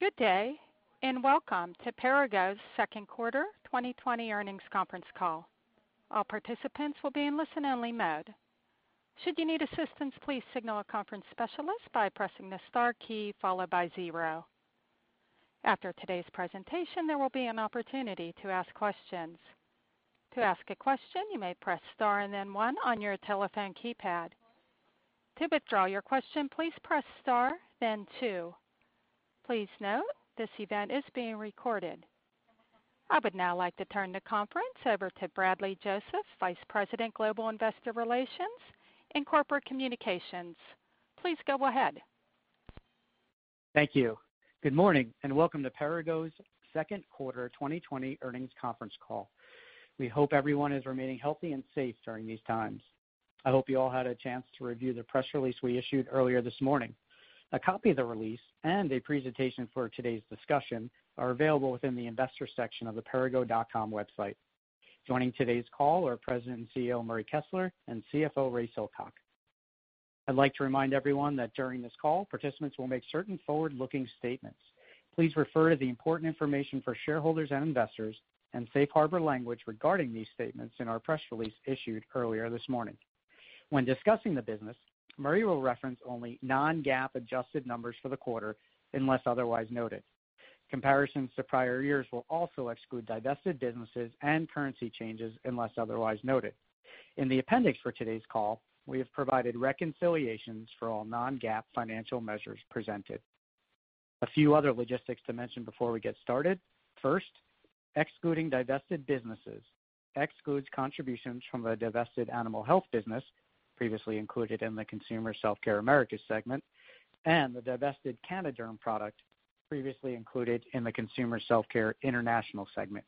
Good day, and welcome to Perrigo's second quarter 2020 earnings conference call. All participants will be in listen-only mode. Should you need assistance, please signal a conference specialist by pressing the star key followed by zero. After today's presentation, there will be an opportunity to ask questions. To ask a question, you may press star and then one on your telephone keypad. To withdraw your question, please press star, then two. Please note, this event is being recorded. I would now like to turn the conference over to Bradley Joseph, Vice President, Global Investor Relations and Corporate Communications. Please go ahead. Thank you. Good morning, welcome to Perrigo's second quarter 2020 earnings conference call. We hope everyone is remaining healthy and safe during these times. I hope you all had a chance to review the press release we issued earlier this morning. A copy of the release and a presentation for today's discussion are available within the investor section of the perrigo.com website. Joining today's call are President and CEO, Murray Kessler, and CFO, Ray Silcock. I'd like to remind everyone that during this call, participants will make certain forward-looking statements. Please refer to the important information for shareholders and investors and safe harbor language regarding these statements in our press release issued earlier this morning. When discussing the business, Murray will reference only non-GAAP adjusted numbers for the quarter unless otherwise noted. Comparisons to prior years will also exclude divested businesses and currency changes unless otherwise noted. In the appendix for today's call, we have provided reconciliations for all non-GAAP financial measures presented. A few other logistics to mention before we get started. First, excluding divested businesses excludes contributions from the divested animal health business previously included in the Consumer Self-Care Americas segment and the divested Canoderm product previously included in the Consumer Self-Care International segment.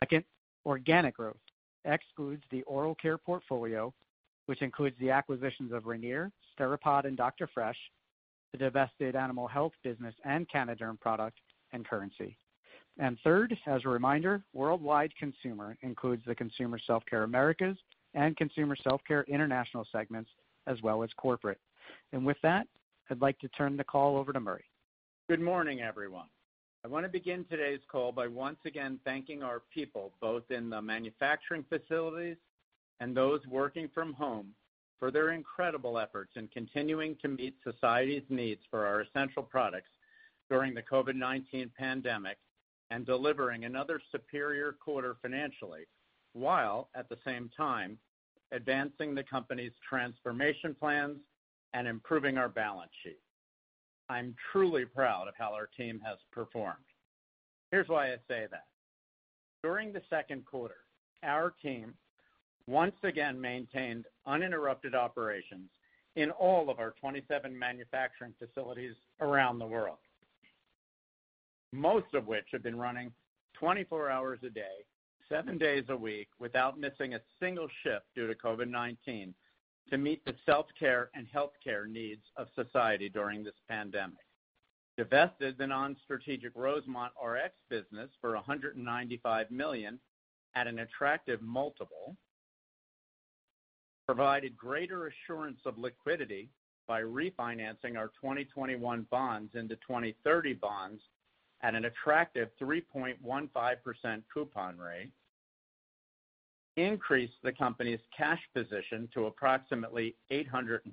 Second, organic growth excludes the oral care portfolio, which includes the acquisitions of Ranir, Steripod, and Dr. Fresh, the divested animal health business and Canoderm product and currency. Third, as a reminder, Worldwide Consumer includes the Consumer Self-Care Americas and Consumer Self-Care International segments, as well as corporate. With that, I'd like to turn the call over to Murray. Good morning, everyone. I want to begin today's call by once again thanking our people, both in the manufacturing facilities and those working from home, for their incredible efforts in continuing to meet society's needs for our essential products during the COVID-19 pandemic and delivering another superior quarter financially while, at the same time, advancing the company's transformation plans and improving our balance sheet. I'm truly proud of how our team has performed. Here's why I say that. During the second quarter, our team once again maintained uninterrupted operations in all of our 27 manufacturing facilities around the world, most of which have been running 24 hours a day, seven days a week without missing a single shift due to COVID-19 to meet the self-care and healthcare needs of society during this pandemic. Divested the non-strategic Rosemont Rx business for $195 million at an attractive multiple. Provided greater assurance of liquidity by refinancing our 2021 bonds into 2030 bonds at an attractive 3.15% coupon rate. Increased the company's cash position to approximately $850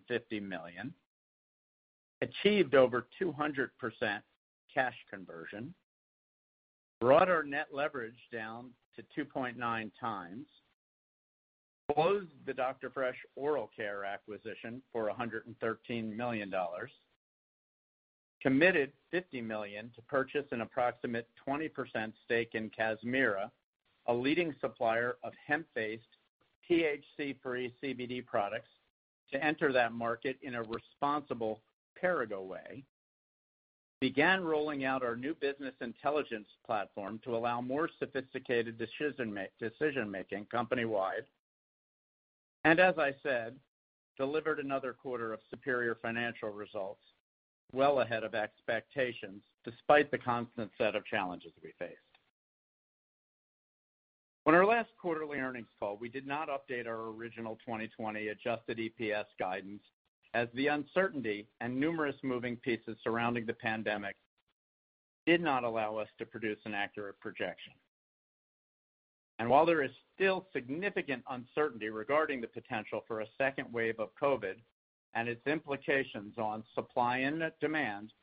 million. Achieved over 200% cash conversion. Brought our net leverage down to 2.9x. Closed the Dr. Fresh oral care acquisition for $113 million. Committed $50 million to purchase an approximate 20% stake in Kazmira, a leading supplier of hemp-based, THC-free CBD products to enter that market in a responsible Perrigo way. Began rolling out our new business intelligence platform to allow more sophisticated decision-making company-wide. As I said, delivered another quarter of superior financial results well ahead of expectations despite the constant set of challenges we faced. On our last quarterly earnings call, we did not update our original 2020 adjusted EPS guidance as the uncertainty and numerous moving pieces surrounding the pandemic did not allow us to produce an accurate projection. While there is still significant uncertainty regarding the potential for a second wave of COVID and its implications on supply and demand,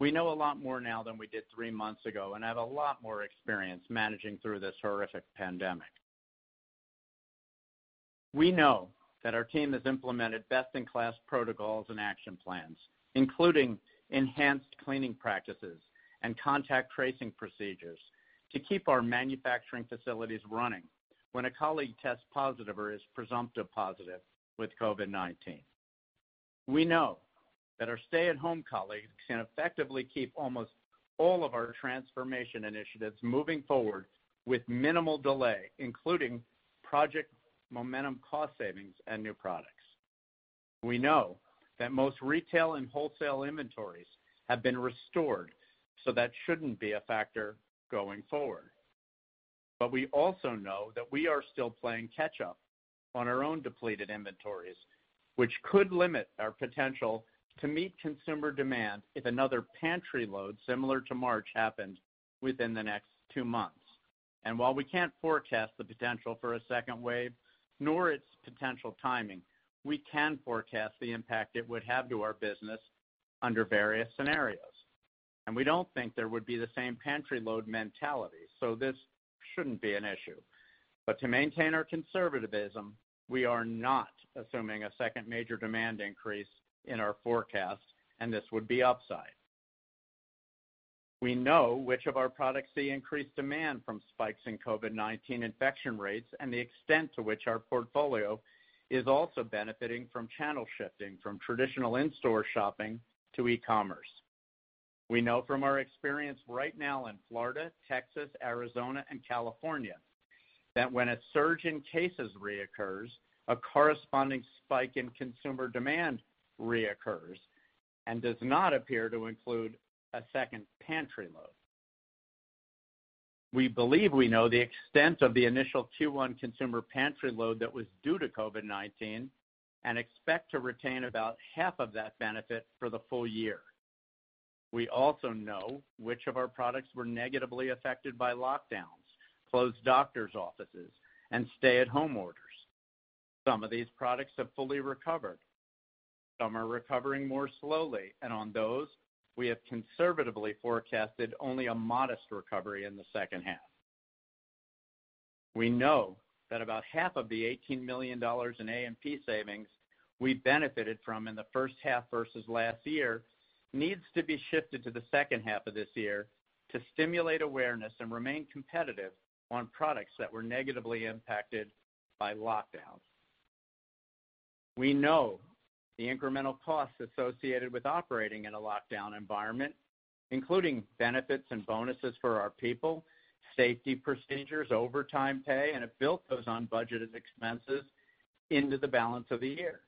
we know a lot more now than we did three months ago and have a lot more experience managing through this horrific pandemic. We know that our team has implemented best-in-class protocols and action plans, including enhanced cleaning practices and contact tracing procedures to keep our manufacturing facilities running when a colleague tests positive or is presumptive positive with COVID-19. We know that our stay-at-home colleagues can effectively keep almost all of our transformation initiatives moving forward with minimal delay, including Project Momentum cost savings and new products. We know that most retail and wholesale inventories have been restored, so that shouldn't be a factor going forward. We also know that we are still playing catch up on our own depleted inventories, which could limit our potential to meet consumer demand if another pantry load similar to March happens within the next two months. While we can't forecast the potential for a second wave, nor its potential timing, we can forecast the impact it would have to our business under various scenarios. We don't think there would be the same pantry load mentality, so this shouldn't be an issue. To maintain our conservativism, we are not assuming a second major demand increase in our forecast, and this would be upside. We know which of our products see increased demand from spikes in COVID-19 infection rates and the extent to which our portfolio is also benefiting from channel shifting from traditional in-store shopping to e-commerce. We know from our experience right now in Florida, Texas, Arizona, and California, that when a surge in cases reoccurs, a corresponding spike in consumer demand reoccurs and does not appear to include a second pantry load. We believe we know the extent of the initial Q1 consumer pantry load that was due to COVID-19 and expect to retain about half of that benefit for the full year. We also know which of our products were negatively affected by lockdowns, closed doctor's offices, and stay at home orders. Some of these products have fully recovered. Some are recovering more slowly, and on those, we have conservatively forecasted only a modest recovery in the second half. We know that about half of the $18 million in A&P savings we benefited from in the first half versus last year needs to be shifted to the second half of this year to stimulate awareness and remain competitive on products that were negatively impacted by lockdowns. We know the incremental costs associated with operating in a lockdown environment, including benefits and bonuses for our people, safety procedures, overtime pay, and have built those on budgeted expenses into the balance of the year.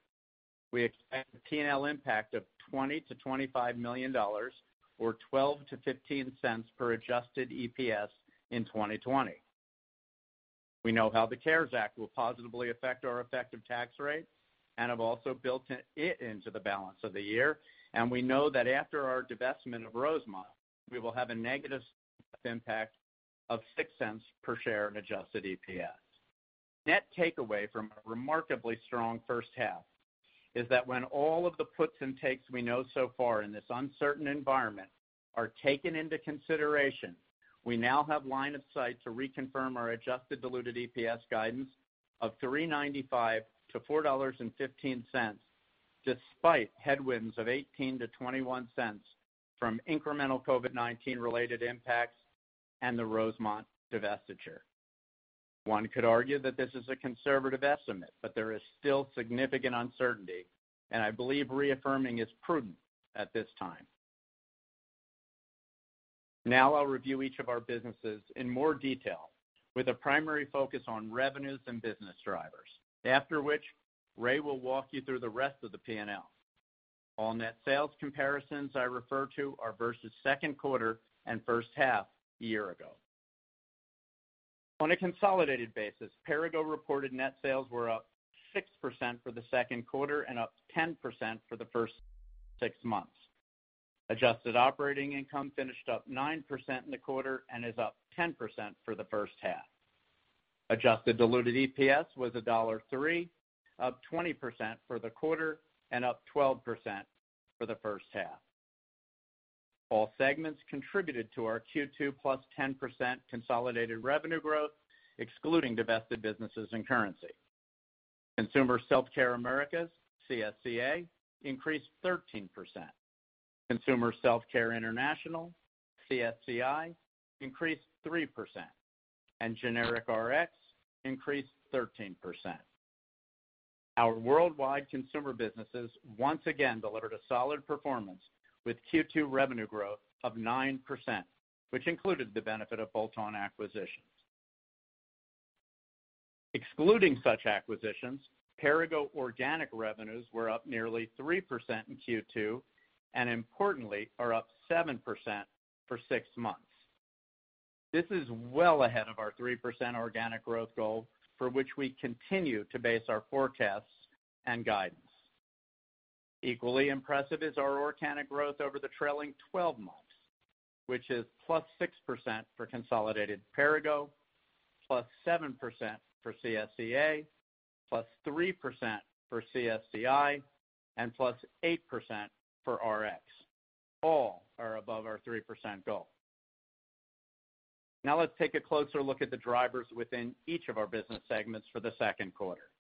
We expect a P&L impact of $20 million-$25 million or $0.12-$0.15 per adjusted EPS in 2020. We know how the CARES Act will positively affect our effective tax rate and have also built it into the balance of the year. We know that after our divestment of Rosemont, we will have a negative impact of $0.06 per share in adjusted EPS. Net takeaway from a remarkably strong first half is that when all of the puts and takes we know so far in this uncertain environment are taken into consideration, we now have line of sight to reconfirm our adjusted diluted EPS guidance of $3.95 to $4.15, despite headwinds of $0.18-$0.21 from incremental COVID-19 related impacts and the Rosemont divestiture. One could argue that this is a conservative estimate, but there is still significant uncertainty, and I believe reaffirming is prudent at this time. I'll review each of our businesses in more detail with a primary focus on revenues and business drivers. After which, Ray will walk you through the rest of the P&L. All net sales comparisons I refer to are versus second quarter and first half a year ago. On a consolidated basis, Perrigo reported net sales were up 6% for the second quarter and up 10% for the first six months. Adjusted operating income finished up 9% in the quarter and is up 10% for the first half. Adjusted diluted EPS was $1.30, up 20% for the quarter and up 12% for the first half. All segments contributed to our Q2 plus 10% consolidated revenue growth, excluding divested businesses and currency. Consumer Self-Care Americas, CSCA, increased 13%. Consumer Self-Care International, CSCI, increased 3%, and generic Rx increased 13%. Our Worldwide Consumer businesses once again delivered a solid performance with Q2 revenue growth of 9%, which included the benefit of bolt-on acquisitions. Excluding such acquisitions, Perrigo organic revenues were up nearly 3% in Q2, and importantly, are up 7% for six months. This is well ahead of our 3% organic growth goal, for which we continue to base our forecasts and guidance. Equally impressive is our organic growth over the trailing 12 months, which is +6% for consolidated Perrigo, +7% for CSCA, +3% for CSCI, and +8% for Rx. All are above our 3% goal. Let's take a closer look at the drivers within each of our business segments for the second quarter,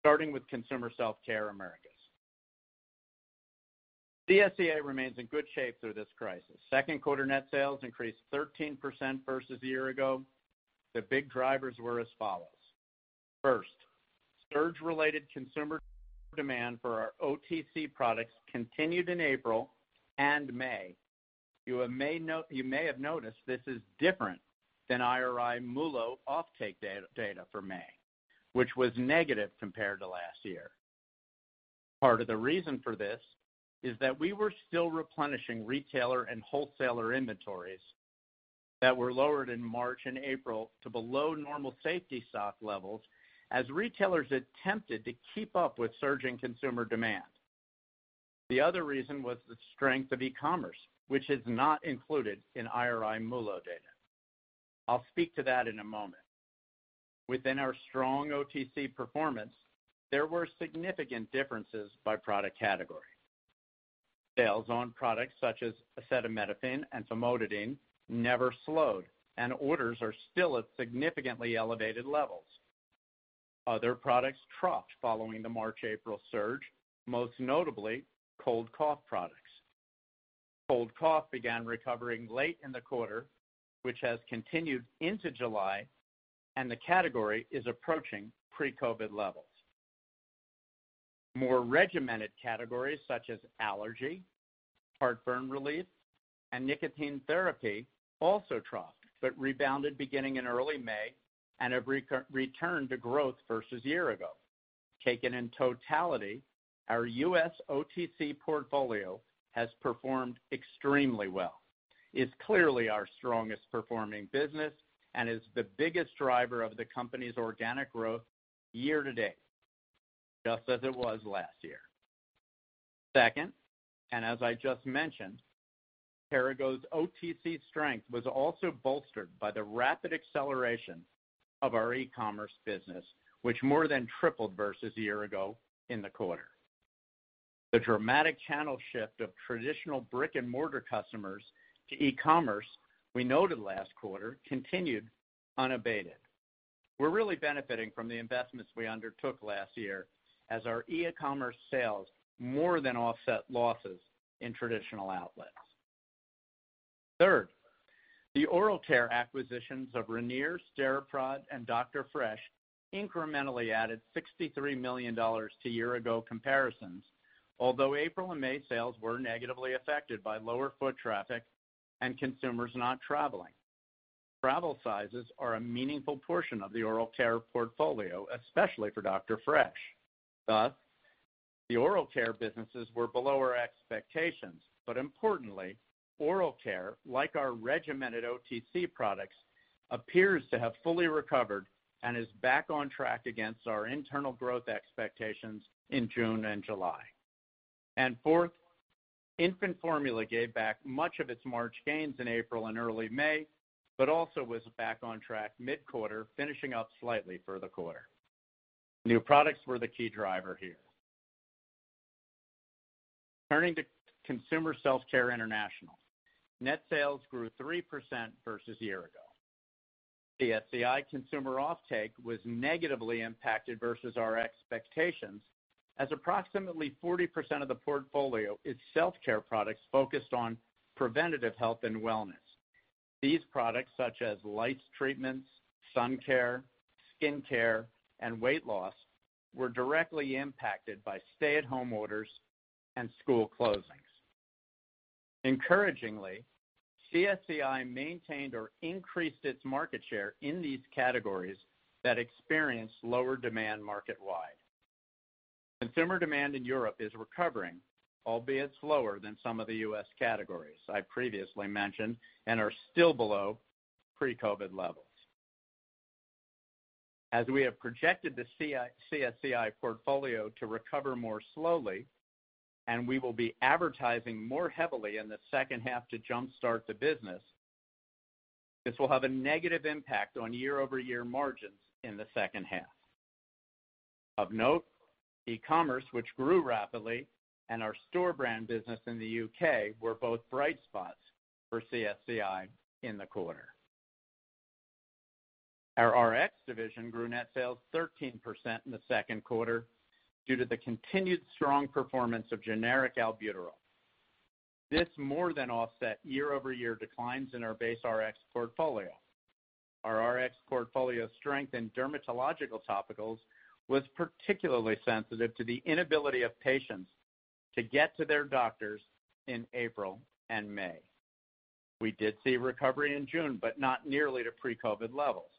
starting with Consumer Self-Care Americas. CSCA remains in good shape through this crisis. Second quarter net sales increased 13% versus a year ago. The big drivers were as follows. Surge-related consumer demand for our OTC products continued in April and May. You may have noticed this is different than IRI MULO offtake data for May, which was negative compared to last year. Part of the reason for this is that we were still replenishing retailer and wholesaler inventories that were lowered in March and April to below normal safety stock levels as retailers attempted to keep up with surging consumer demand. The other reason was the strength of e-commerce, which is not included in IRI MULO data. I'll speak to that in a moment. Within our strong OTC performance, there were significant differences by product category. Sales on products such as acetaminophen and famotidine never slowed, and orders are still at significantly elevated levels. Other products dropped following the March/April surge, most notably cold cough products. Cold cough began recovering late in the quarter, which has continued into July, and the category is approaching pre-COVID levels. More regimented categories such as allergy, heartburn relief, and nicotine therapy also dropped, but rebounded beginning in early May and have returned to growth versus year ago. Taken in totality, our U.S. OTC portfolio has performed extremely well. It's clearly our strongest performing business and is the biggest driver of the company's organic growth year-to-date, just as it was last year. Second, and as I just mentioned, Perrigo's OTC strength was also bolstered by the rapid acceleration of our e-commerce business, which more than tripled versus a year ago in the quarter. The dramatic channel shift of traditional brick-and-mortar customers to e-commerce we noted last quarter continued unabated. We're really benefiting from the investments we undertook last year as our e-commerce sales more than offset losses in traditional outlets. Third, the oral care acquisitions of Ranir, Steripod, and Dr. Fresh incrementally added $63 million to year-ago comparisons. Although April and May sales were negatively affected by lower foot traffic and consumers not traveling. Travel sizes are a meaningful portion of the oral care portfolio, especially for Dr. Fresh. Thus, the oral care businesses were below our expectations. Importantly, oral care, like our regimented OTC products, appears to have fully recovered and is back on track against our internal growth expectations in June and July. Fourth, infant formula gave back much of its March gains in April and early May, but also was back on track mid-quarter, finishing up slightly for the quarter. New products were the key driver here. Turning to Consumer Self-Care International. Net sales grew 3% versus year ago. The CSCI consumer offtake was negatively impacted versus our expectations as approximately 40% of the portfolio is self-care products focused on preventative health and wellness. These products, such as lice treatments, sun care, skin care, and weight loss, were directly impacted by stay-at-home orders and school closings. Encouragingly, CSCI maintained or increased its market share in these categories that experienced lower demand market-wide. Consumer demand in Europe is recovering, albeit slower than some of the U.S. categories I previously mentioned and are still below pre-COVID levels. As we have projected the CSCI portfolio to recover more slowly, we will be advertising more heavily in the second half to jumpstart the business. This will have a negative impact on year-over-year margins in the second half. Of note, e-commerce, which grew rapidly, and our store brand business in the U.K. were both bright spots for CSCI in the quarter. Our Rx division grew net sales 13% in the second quarter due to the continued strong performance of generic albuterol. This more than offset year-over-year declines in our base Rx portfolio. Our Rx portfolio strength in dermatological topicals was particularly sensitive to the inability of patients to get to their doctors in April and May. We did see recovery in June, not nearly to pre-COVID levels.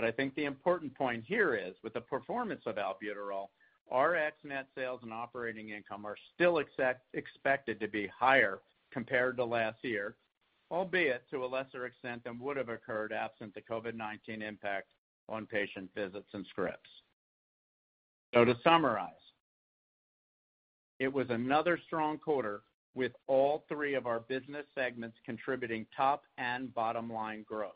I think the important point here is, with the performance of albuterol, Rx net sales and operating income are still expected to be higher compared to last year, albeit to a lesser extent than would have occurred absent the COVID-19 impact on patient visits and scripts. To summarize, it was another strong quarter with all three of our business segments contributing top and bottom-line growth.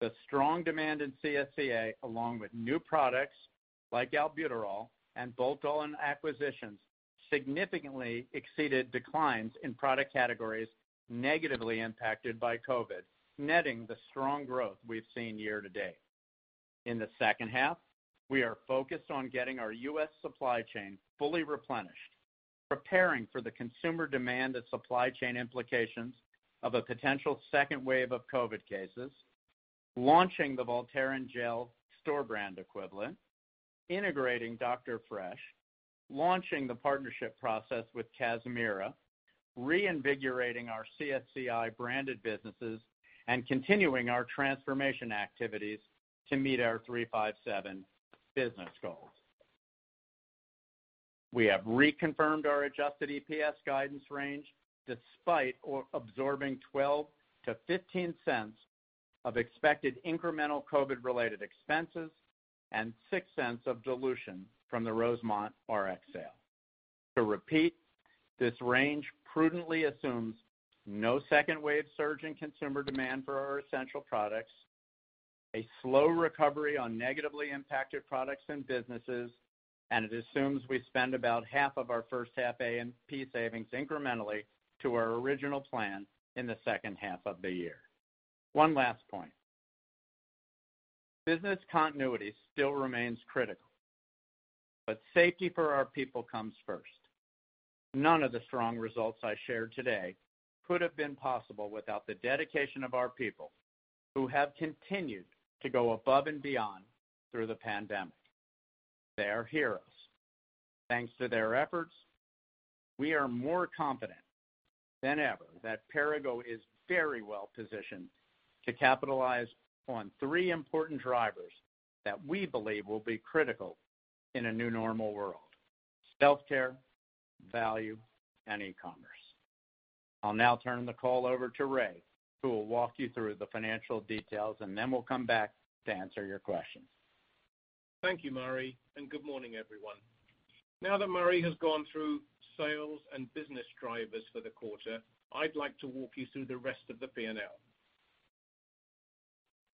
The strong demand in CSCA, along with new products like albuterol and Voltaren acquisitions, significantly exceeded declines in product categories negatively impacted by COVID, netting the strong growth we've seen year-to-date. In the second half, we are focused on getting our U.S. supply chain fully replenished, preparing for the consumer demand and supply chain implications of a potential second wave of COVID cases, launching the Voltaren Gel store brand equivalent, integrating Dr. Fresh, launching the partnership process with Kazmira. Reinvigorating our CSCI branded businesses and continuing our transformation activities to meet our 3/5/7 business goals. We have reconfirmed our adjusted EPS guidance range, despite absorbing $0.12-$0.15 of expected incremental COVID-related expenses and $0.06 of dilution from the Rosemont Rx sale. To repeat, this range prudently assumes no second wave surge in consumer demand for our essential products, a slow recovery on negatively impacted products and businesses, and it assumes we spend about half of our first half A&P savings incrementally to our original plan in the second half of the year. One last point. Business continuity still remains critical, but safety for our people comes first. None of the strong results I shared today could have been possible without the dedication of our people, who have continued to go above and beyond through the pandemic. They are heroes. Thanks to their efforts, we are more confident than ever that Perrigo is very well-positioned to capitalize on three important drivers that we believe will be critical in a new normal world. Self-care, value, and e-commerce. I'll now turn the call over to Ray, who will walk you through the financial details, and then we'll come back to answer your questions. Thank you, Murray, and good morning, everyone. Now that Murray has gone through sales and business drivers for the quarter, I'd like to walk you through the rest of the P&L.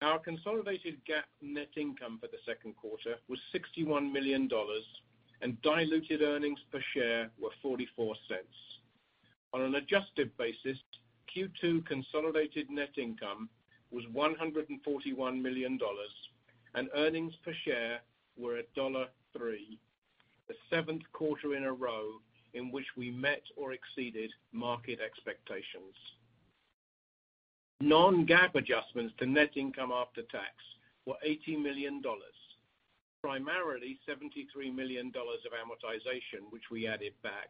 Our consolidated GAAP net income for the second quarter was $61 million, and diluted earnings per share were $0.44. On an adjusted basis, Q2 consolidated net income was $141 million, and earnings per share were at $1.03, the seventh quarter in a row in which we met or exceeded market expectations. Non-GAAP adjustments to net income after tax were $80 million. Primarily $73 million of amortization, which we added back,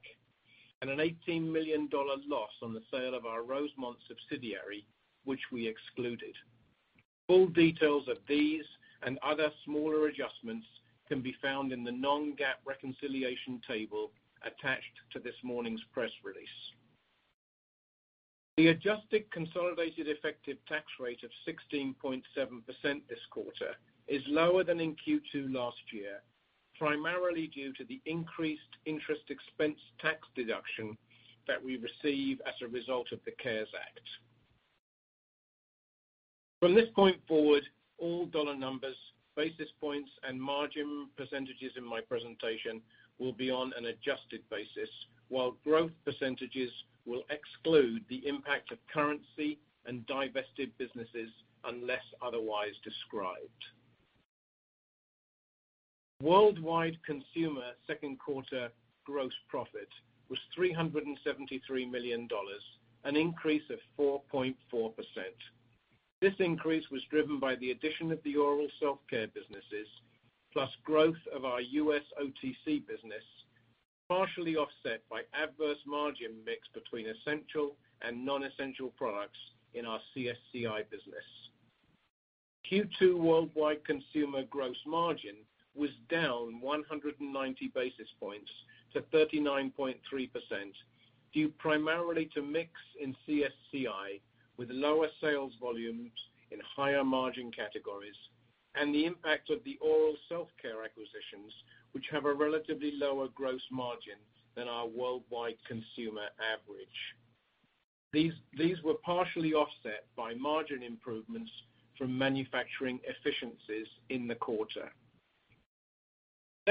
and an $18 million loss on the sale of our Rosemont subsidiary, which we excluded. Full details of these and other smaller adjustments can be found in the non-GAAP reconciliation table attached to this morning's press release. The adjusted consolidated effective tax rate of 16.7% this quarter is lower than in Q2 last year, primarily due to the increased interest expense tax deduction that we received as a result of the CARES Act. From this point forward, all dollar numbers, basis points, and margin percentages in my presentation will be on an adjusted basis, while growth percentages will exclude the impact of currency and divested businesses unless otherwise described. Worldwide Consumer second quarter gross profit was $373 million, an increase of 4.4%. This increase was driven by the addition of the oral self-care businesses, plus growth of our U.S. OTC business, partially offset by adverse margin mix between essential and non-essential products in our CSCI business. Q2 Worldwide Consumer gross margin was down 190 basis points to 39.3%, due primarily to mix in CSCI with lower sales volumes in higher margin categories and the impact of the oral self-care acquisitions, which have a relatively lower gross margin than our Worldwide Consumer average. These were partially offset by margin improvements from manufacturing efficiencies in the quarter.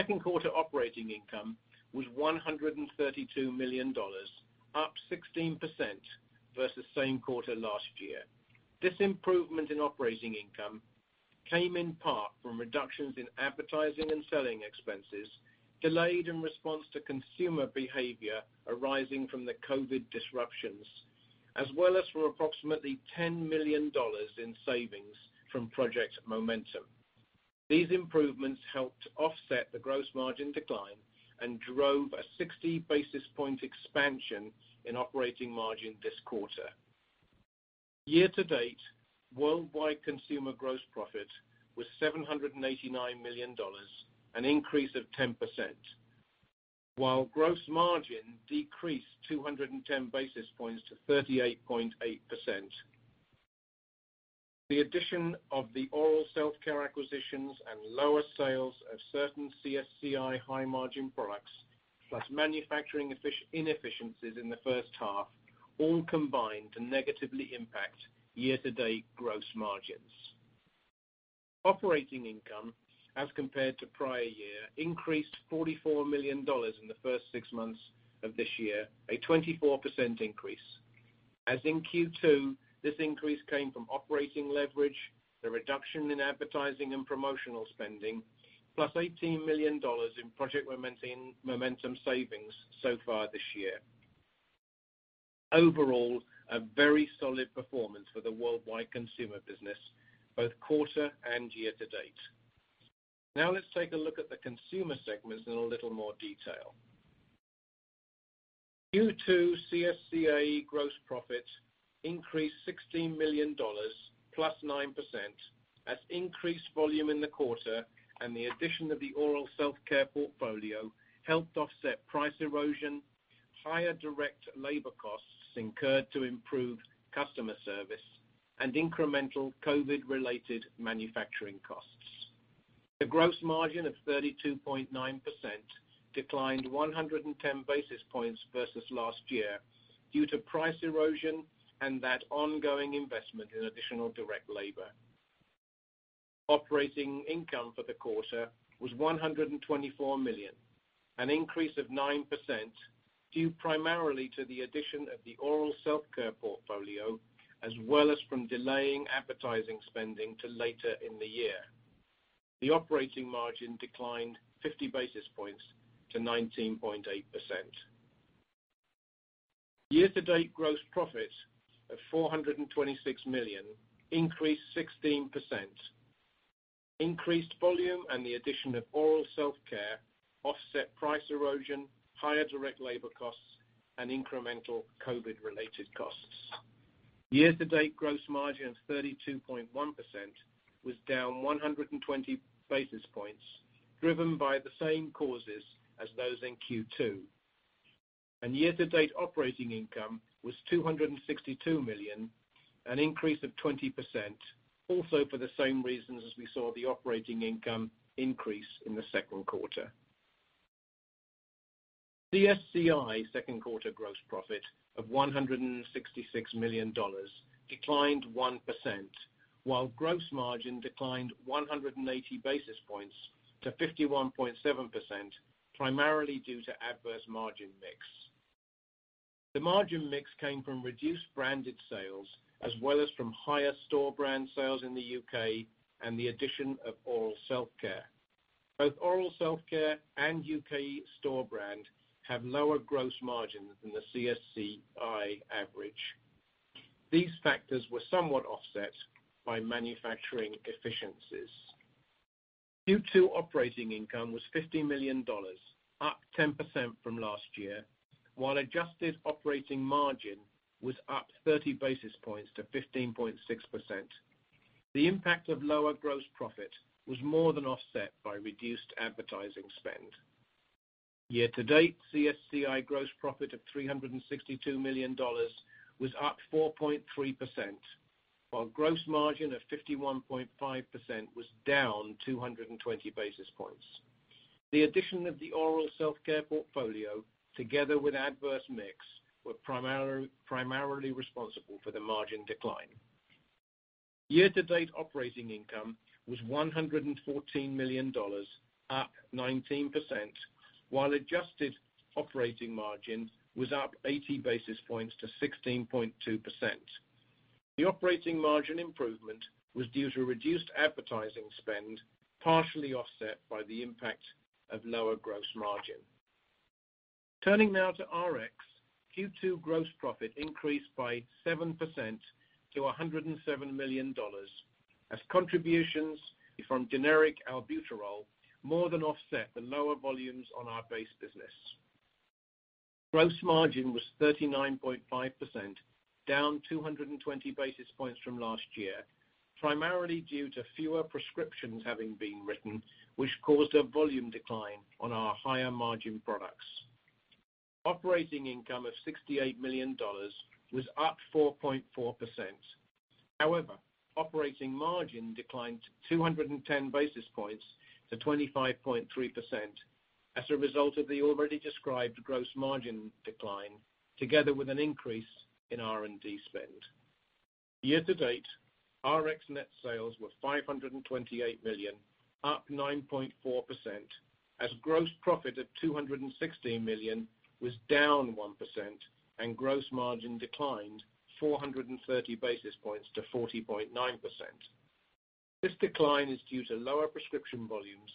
Second quarter operating income was $132 million, up 16% versus same quarter last year. This improvement in operating income came in part from reductions in advertising and selling expenses delayed in response to consumer behavior arising from the COVID disruptions, as well as from approximately $10 million in savings from Project Momentum. These improvements helped offset the gross margin decline and drove a 60 basis point expansion in operating margin this quarter. Year to date, Worldwide Consumer gross profit was $789 million, an increase of 10%, while gross margin decreased 210 basis points to 38.8%. The addition of the oral self-care acquisitions and lower sales of certain CSCI high margin products, plus manufacturing inefficiencies in the first half, all combined to negatively impact year to date gross margins. Operating income, as compared to prior year, increased $44 million in the first six months of this year, a 24% increase. As in Q2, this increase came from operating leverage, the reduction in advertising and promotional spending, plus $18 million in Project Momentum savings so far this year. Overall, a very solid performance for the Worldwide Consumer business, both quarter and year to date. Let's take a look at the consumer segments in a little more detail. Q2 CSCA gross profit increased $16 million, plus 9%, as increased volume in the quarter and the addition of the oral self-care portfolio helped offset price erosion, higher direct labor costs incurred to improve customer service, and incremental COVID-related manufacturing costs. The gross margin of 32.9% declined 110 basis points versus last year due to price erosion and that ongoing investment in additional direct labor. Operating income for the quarter was $124 million, an increase of 9% due primarily to the addition of the oral self-care portfolio, as well as from delaying advertising spending to later in the year. The operating margin declined 50 basis points to 19.8%. Year-to-date gross profits of $426 million increased 16%. Increased volume and the addition of oral self-care offset price erosion, higher direct labor costs, and incremental COVID-related costs. Year-to-date gross margin of 32.1% was down 120 basis points, driven by the same causes as those in Q2. Year-to-date operating income was $262 million, an increase of 20%, also for the same reasons as we saw the operating income increase in the second quarter. CSCI second quarter gross profit of $166 million declined 1%, while gross margin declined 180 basis points to 51.7%, primarily due to adverse margin mix. The margin mix came from reduced branded sales, as well as from higher store brand sales in the U.K. and the addition of oral self-care. Both oral self-care and U.K. store brand have lower gross margins than the CSCI average. These factors were somewhat offset by manufacturing efficiencies. Q2 operating income was $50 million, up 10% from last year, while adjusted operating margin was up 30 basis points to 15.6%. The impact of lower gross profit was more than offset by reduced advertising spend. Year-to-date, CSCI gross profit of $362 million was up 4.3%, while gross margin of 51.5% was down 220 basis points. The addition of the oral self-care portfolio, together with adverse mix, were primarily responsible for the margin decline. Year-to-date operating income was $114 million, up 19%, while adjusted operating margin was up 80 basis points to 16.2%. The operating margin improvement was due to reduced advertising spend, partially offset by the impact of lower gross margin. Turning now to Rx, Q2 gross profit increased by 7% to $107 million, as contributions from generic albuterol more than offset the lower volumes on our base business. Gross margin was 39.5%, down 220 basis points from last year, primarily due to fewer prescriptions having been written, which caused a volume decline on our higher-margin products. Operating income of $68 million was up 4.4%. Operating margin declined 210 basis points to 25.3% as a result of the already described gross margin decline, together with an increase in R&D spend. Year to date, Rx net sales were $528 million, up 9.4%, as gross profit at $216 million was down 1% and gross margin declined 430 basis points to 40.9%. This decline is due to lower prescription volumes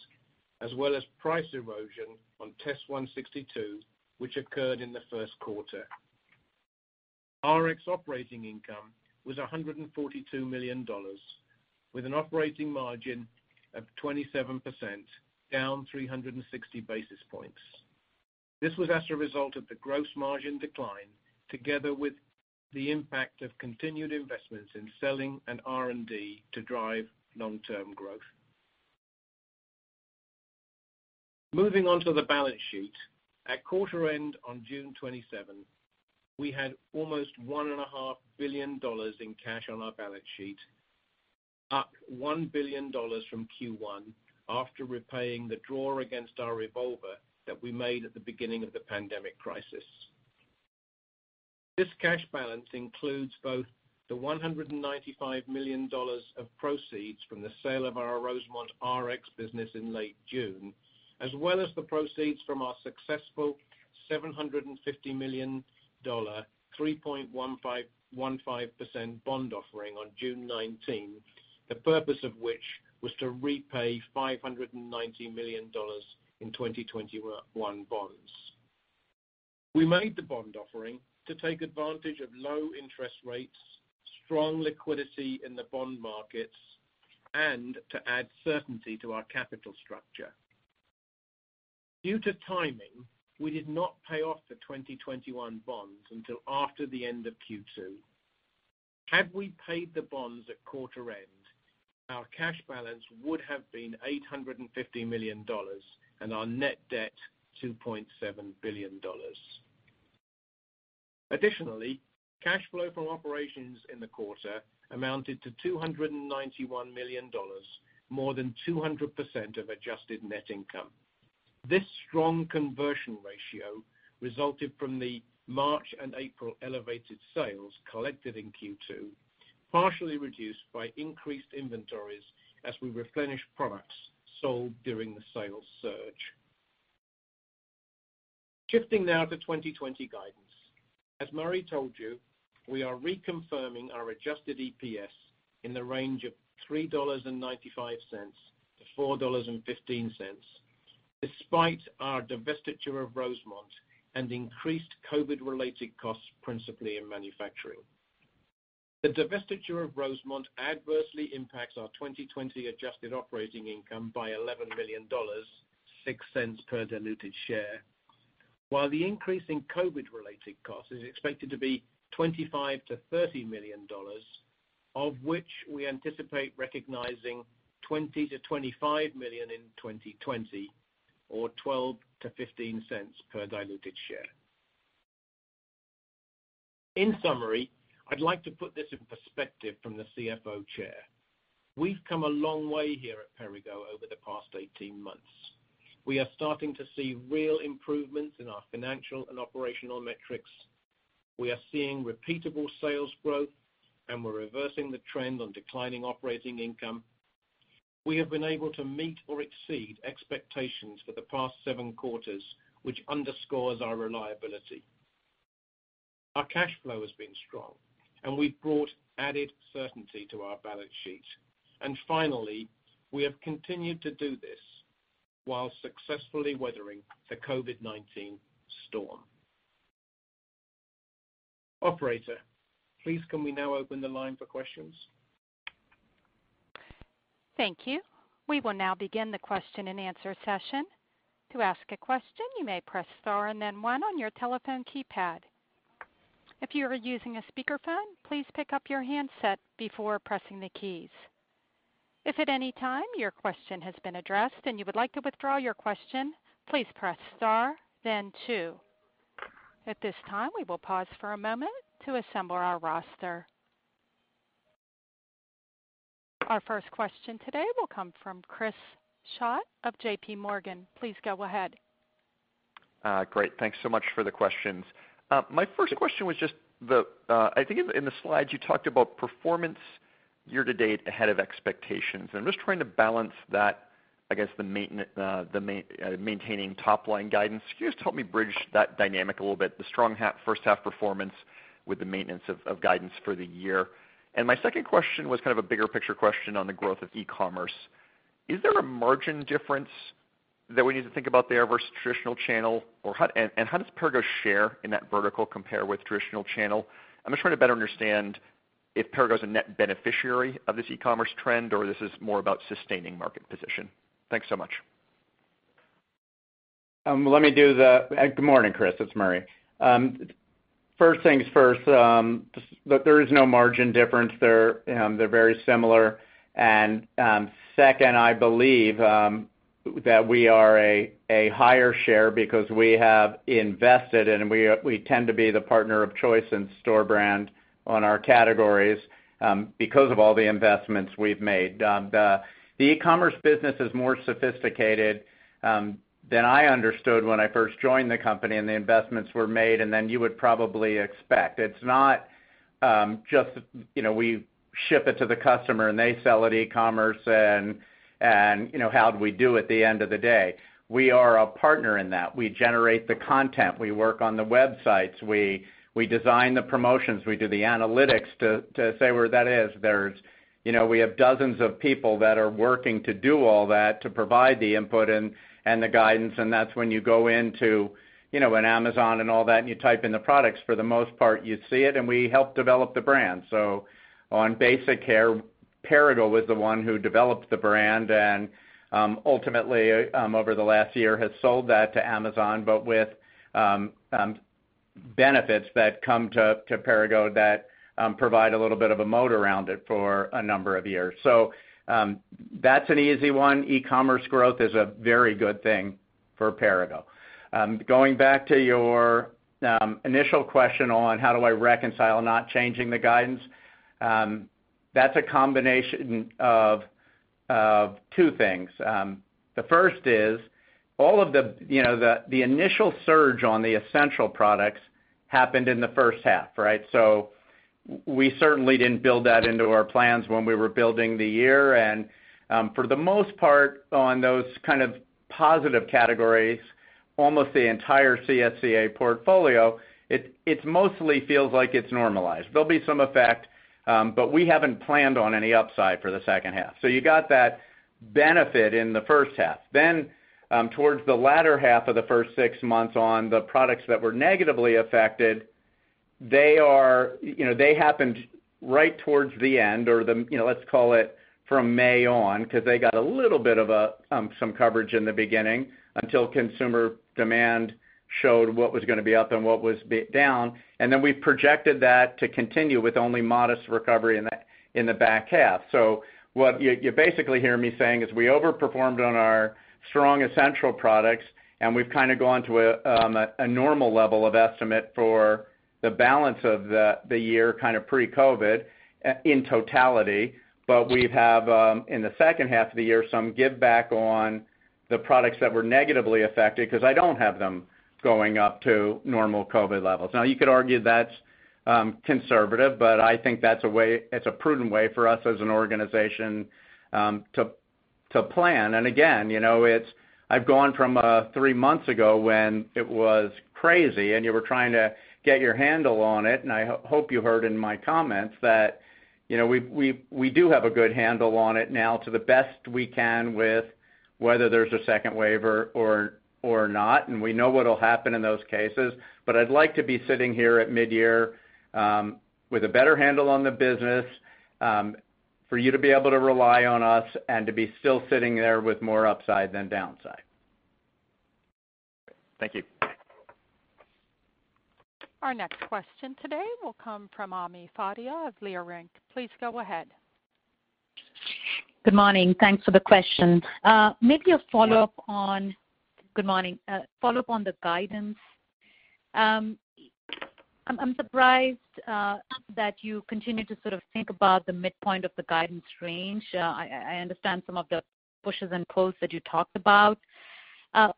as well as price erosion on Test 1.62%, which occurred in the first quarter. Rx operating income was $142 million, with an operating margin of 27%, down 360 basis points. This was as a result of the gross margin decline, together with the impact of continued investments in selling and R&D to drive long-term growth. Moving on to the balance sheet. At quarter end on June 27, we had almost $1.5 billion in cash on our balance sheet, up $1 billion from Q1 after repaying the draw against our revolver that we made at the beginning of the pandemic crisis. This cash balance includes both the $195 million of proceeds from the sale of our Rosemont Rx business in late June, as well as the proceeds from our successful $750 million 3.15% bond offering on June 19, the purpose of which was to repay $590 million in 2021 bonds. We made the bond offering to take advantage of low interest rates, strong liquidity in the bond markets, and to add certainty to our capital structure. Due to timing, we did not pay off the 2021 bonds until after the end of Q2. Had we paid the bonds at quarter end, our cash balance would have been $850 million, and our net debt $2.7 billion. Additionally, cash flow from operations in the quarter amounted to $291 million, more than 200% of adjusted net income. This strong conversion ratio resulted from the March and April elevated sales collected in Q2, partially reduced by increased inventories as we replenished products sold during the sales surge. Shifting now to 2020 guidance. As Murray told you, we are reconfirming our adjusted EPS in the range of $3.95-$4.15, despite our divestiture of Rosemont and increased COVID-related costs, principally in manufacturing. The divestiture of Rosemont adversely impacts our 2020 adjusted operating income by $11 million, $0.06 per diluted share, while the increase in COVID-related costs is expected to be $25 million-$30 million, of which we anticipate recognizing $20 million-$25 million in 2020, or $0.12-$0.15 per diluted share. In summary, I'd like to put this in perspective from the CFO chair. We've come a long way here at Perrigo over the past 18 months. We are starting to see real improvements in our financial and operational metrics. We are seeing repeatable sales growth, we're reversing the trend on declining operating income. We have been able to meet or exceed expectations for the past seven quarters, which underscores our reliability. Our cash flow has been strong, we've brought added certainty to our balance sheet. Finally, we have continued to do this while successfully weathering the COVID-19 storm. Operator, please can we now open the line for questions? Thank you. We will now begin the question and answer session. To ask a question, you may press star and then one on your telephone keypad. If you are using a speakerphone, please pick up your handset before pressing the keys. If at any time your question has been addressed and you would like to withdraw your question, please press star then two. At this time, we will pause for a moment to assemble our roster. Our first question today will come from Chris Schott of JPMorgan. Please go ahead. Great. Thanks so much for the questions. My first question was just, I think in the slides you talked about performance year to date ahead of expectations, and I'm just trying to balance that, I guess, the maintaining top line guidance. Can you just help me bridge that dynamic a little bit, the strong first half performance with the maintenance of guidance for the year? My second question was kind of a bigger picture question on the growth of e-commerce. Is there a margin difference that we need to think about there versus traditional channel? How does Perrigo share in that vertical compare with traditional channel? I'm just trying to better understand if Perrigo is a net beneficiary of this e-commerce trend, or this is more about sustaining market position. Thanks so much. Good morning, Chris. It's Murray. First things first. There is no margin difference. They're very similar. Second, I believe that we are a higher share because we have invested and we tend to be the partner of choice in store brand on our categories because of all the investments we've made. The e-commerce business is more sophisticated than I understood when I first joined the company and the investments were made, and then you would probably expect. It's not just we ship it to the customer and they sell it e-commerce and how do we do at the end of the day. We are a partner in that. We generate the content. We work on the websites. We design the promotions. We do the analytics to say where that is. We have dozens of people that are working to do all that, to provide the input and the guidance. That's when you go into an Amazon and all that, and you type in the products. For the most part, you see it. We help develop the brand. On Basic Care, Perrigo was the one who developed the brand and ultimately, over the last year, has sold that to Amazon, with benefits that come to Perrigo that provide a little bit of a moat around it for a number of years. That's an easy one. E-commerce growth is a very good thing for Perrigo. Going back to your initial question on how do I reconcile not changing the guidance. That's a combination of two things. The first is all of the initial surge on the essential products happened in the first half. We certainly didn't build that into our plans when we were building the year. For the most part on those kind of positive categories, almost the entire CSCA portfolio, it mostly feels like it's normalized. There'll be some effect, but we haven't planned on any upside for the second half. You got that benefit in the first half. Towards the latter half of the first six months on the products that were negatively affected, they happened right towards the end, or let's call it from May on, because they got a little bit of some coverage in the beginning until consumer demand showed what was going to be up and what was down. We projected that to continue with only modest recovery in the back half. What you basically hear me saying is we overperformed on our strong essential products, and we've gone to a normal level of estimate for the balance of the year, pre-COVID in totality. We have, in the second half of the year, some giveback on the products that were negatively affected, because I don't have them going up to normal COVID levels. You could argue that's conservative, but I think that's a prudent way for us as an organization to plan. I've gone from three months ago when it was crazy and you were trying to get your handle on it, and I hope you heard in my comments that we do have a good handle on it now to the best we can with whether there's a second wave or not, and we know what'll happen in those cases. I'd like to be sitting here at mid-year with a better handle on the business for you to be able to rely on us and to be still sitting there with more upside than downside. Thank you. Our next question today will come from Ami Fadia of Leerink. Please go ahead. Good morning. Thanks for the questions. Yeah Good morning. A follow-up on the guidance. I'm surprised that you continue to sort of think about the midpoint of the guidance range. I understand some of the pushes and pulls that you talked about.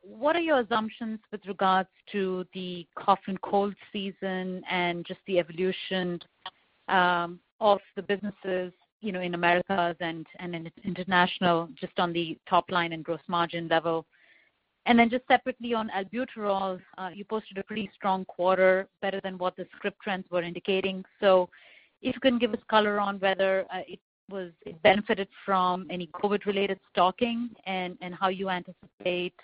What are your assumptions with regards to the cough and cold season and just the evolution of the businesses in Americas and in International, just on the top line and gross margin level? Just separately on albuterol, you posted a pretty strong quarter, better than what the script trends were indicating. If you can give us color on whether it benefited from any COVID-related stocking and how you anticipate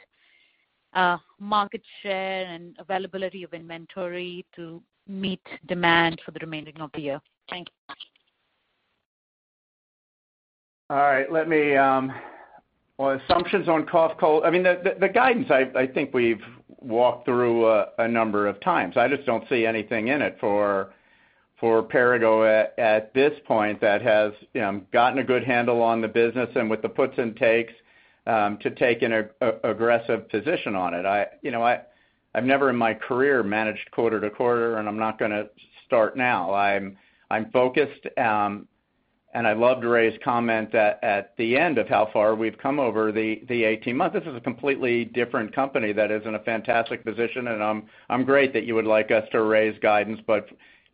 market share and availability of inventory to meet demand for the remaining of the year. Thank you. All right. Well, assumptions on cough, cold. The guidance, I think we've walked through a number of times. I just don't see anything in it for Perrigo at this point that has gotten a good handle on the business and with the puts and takes, to take an aggressive position on it. I've never in my career managed quarter to quarter, and I'm not going to start now. I'm focused. I'd love to raise comment at the end of how far we've come over the 18 months. This is a completely different company that is in a fantastic position. I'm great that you would like us to raise guidance.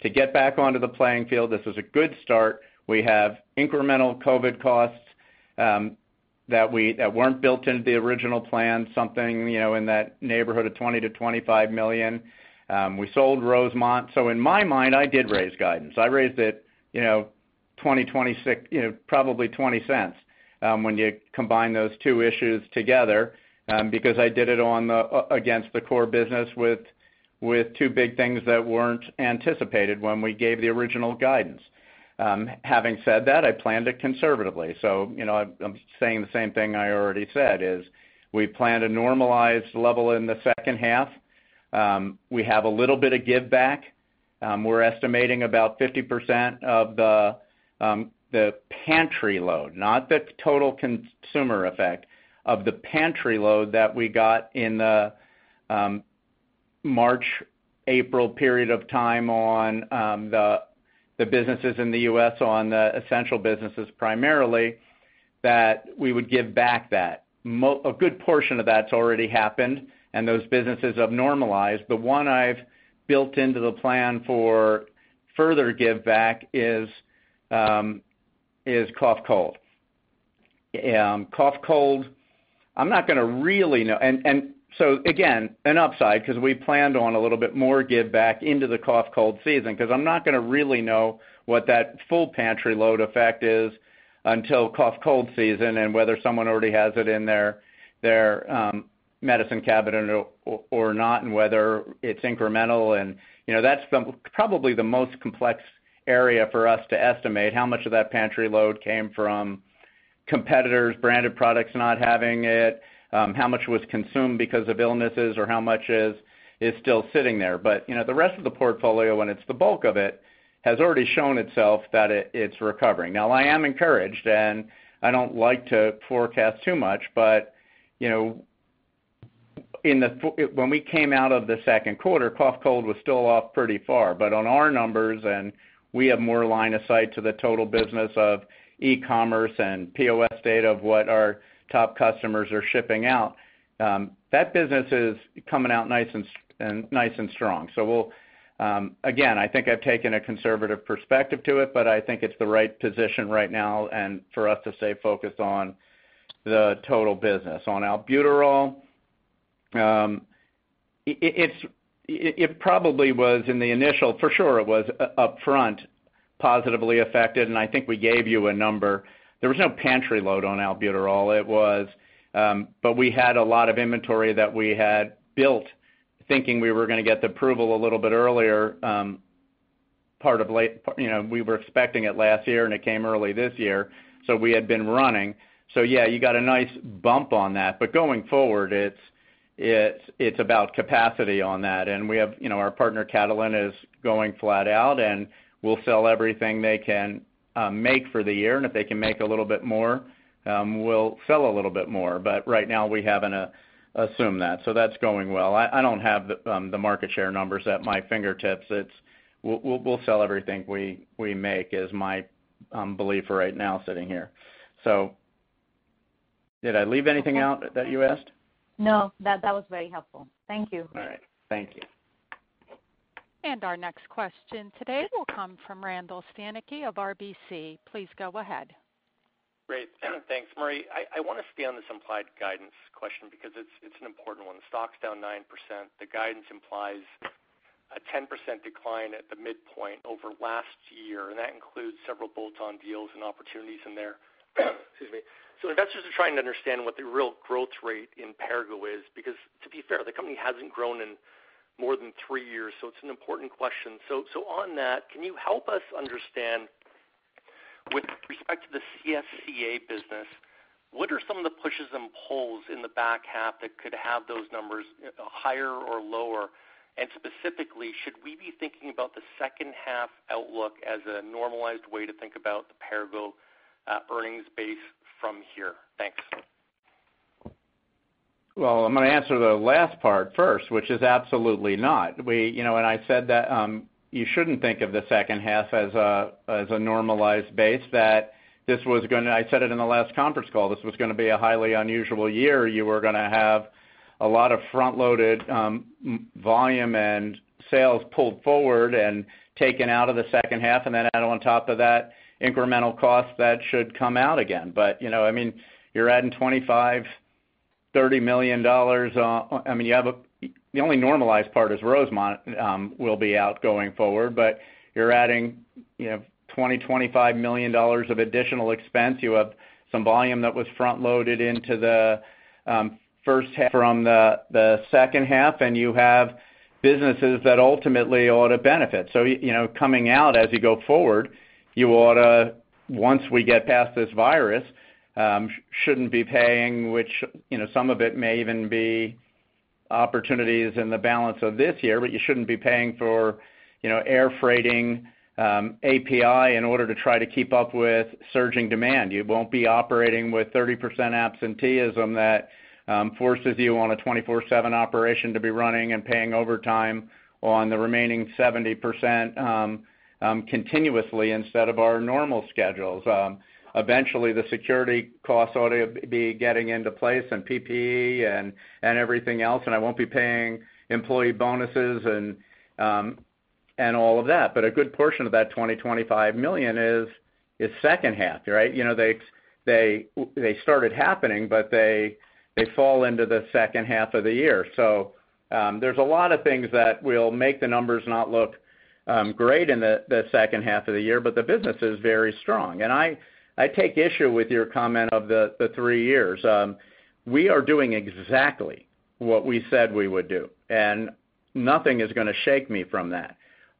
To get back onto the playing field, this is a good start. We have incremental COVID costs that weren't built into the original plan, something in that neighborhood of $20 million-$25 million. We sold Rosemont. In my mind, I did raise guidance. I raised it probably $0.20 when you combine those two issues together because I did it against the core business with two big things that weren't anticipated when we gave the original guidance. Having said that, I planned it conservatively. I'm saying the same thing I already said is we plan to normalize level in the second half. We have a little bit of giveback. We're estimating about 50% of the pantry load, not the total consumer effect of the pantry load that we got in the March, April period of time on the businesses in the U.S. on the essential businesses primarily, that we would give back that. A good portion of that's already happened and those businesses have normalized. The one I've built into the plan for further giveback is cough, cold. Cough, cold, I'm not going to really know. Again, an upside because we planned on a little bit more giveback into the cough, cold season, because I'm not going to really know what that full pantry load effect is until cough, cold season and whether someone already has it in their medicine cabinet or not, and whether it's incremental and that's probably the most complex area for us to estimate how much of that pantry load came from competitors, branded products not having it, how much was consumed because of illnesses or how much is still sitting there. The rest of the portfolio, when it's the bulk of it, has already shown itself that it's recovering. I am encouraged, and I don't like to forecast too much. When we came out of the second quarter, cough, cold was still off pretty far. On our numbers, and we have more line of sight to the total business of e-commerce and POS data of what our top customers are shipping out. That business is coming out nice and strong. Again, I think I've taken a conservative perspective to it, but I think it's the right position right now and for us to stay focused on the total business. On albuterol. It probably was in the initial, for sure, it was upfront, positively affected, and I think we gave you a number. There was no pantry load on albuterol. We had a lot of inventory that we had built thinking we were going to get the approval a little bit earlier, part of late. We were expecting it last year, and it came early this year, so we had been running. Yeah, you got a nice bump on that. Going forward, it's about capacity on that. Our partner, Catalent, is going flat out, and we'll sell everything they can make for the year. If they can make a little bit more, we'll sell a little bit more. Right now, we haven't assumed that. That's going well. I don't have the market share numbers at my fingertips. We'll sell everything we make is my belief right now, sitting here. Did I leave anything out that you asked? No. That was very helpful. Thank you. All right. Thank you. Our next question today will come from Randall Stanicky of RBC. Please go ahead. Great. Thanks, Murray. I want to stay on the supplied guidance question because it's an important one. The stock's down 9%. The guidance implies a 10% decline at the midpoint over last year, and that includes several bolt-on deals and opportunities in there. Excuse me. Investors are trying to understand what the real growth rate in Perrigo is because, to be fair, the company hasn't grown in more than three years, so it's an important question. On that, can you help us understand with respect to the CSCA business, what are some of the pushes and pulls in the back half that could have those numbers higher or lower? Specifically, should we be thinking about the second half outlook as a normalized way to think about the Perrigo earnings base from here? Thanks. Well, I'm going to answer the last part first, which is absolutely not. When I said that you shouldn't think of the second half as a normalized base, I said it in the last conference call, this was going to be a highly unusual year. You were going to have a lot of front-loaded volume and sales pulled forward and taken out of the second half, add on top of that incremental costs that should come out again. You're adding $25 million, $30 million. The only normalized part is Rosemont will be out going forward, you're adding $20 million, $25 million of additional expense. You have some volume that was front-loaded into the first half from the second half, you have businesses that ultimately ought to benefit. Coming out as you go forward, you ought to, once we get past this virus, shouldn't be paying, which some of it may even be opportunities in the balance of this year, but you shouldn't be paying for air freighting API in order to try to keep up with surging demand. You won't be operating with 30% absenteeism that forces you on a 24/7 operation to be running and paying overtime on the remaining 70% continuously instead of our normal schedules. Eventually, the security costs ought to be getting into place and PPE and everything else, and I won't be paying employee bonuses and all of that. A good portion of that $20 million, $25 million is second half. They started happening, but they fall into the second half of the year. There's a lot of things that will make the numbers not look great in the second half of the year, but the business is very strong. I take issue with your comment of the three years. We are doing exactly what we said we would do, and nothing is going to shake me from that.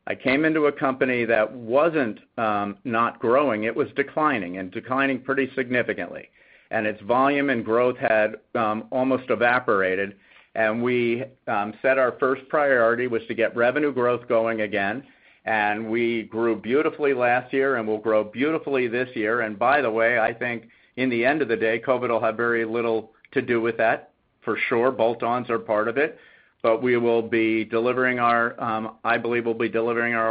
I came into a company that wasn't not growing. It was declining, and declining pretty significantly. Its volume and growth had almost evaporated, and we set our first priority, which was to get revenue growth going again. We grew beautifully last year and will grow beautifully this year. By the way, I think in the end of the day, COVID will have very little to do with that. For sure, bolt-ons are part of it. I believe we'll be delivering our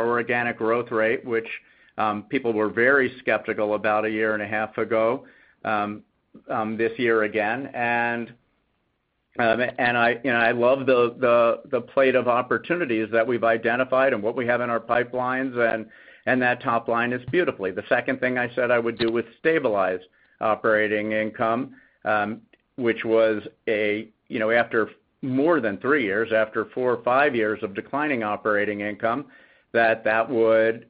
organic growth rate, which people were very skeptical about a year and a half ago, this year again. I love the plate of opportunities that we've identified and what we have in our pipelines, and that top line is beautifully. The second thing I said I would do was stabilize operating income, which was after more than three years, after four or five years of declining operating income, that that would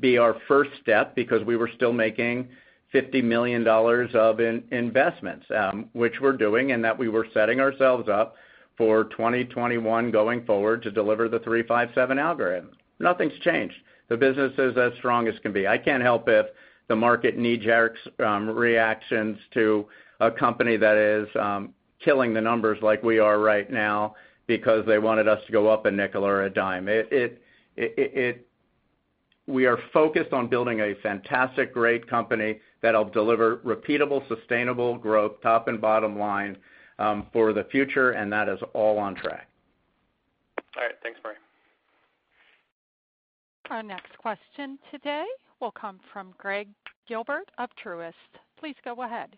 be our first step because we were still making $50 million of investments, which we're doing, and that we were setting ourselves up for 2021 going forward to deliver the 3/5/7 algorithm. Nothing's changed. The business is as strong as can be. I can't help if the market knee-jerk reactions to a company that is killing the numbers like we are right now because they wanted us to go up in nickel or a dime. We are focused on building a fantastic, great company that'll deliver repeatable, sustainable growth, top and bottom line, for the future. That is all on track. All right. Thanks, Murray. Our next question today will come from Gregg Gilbert of Truist. Please go ahead.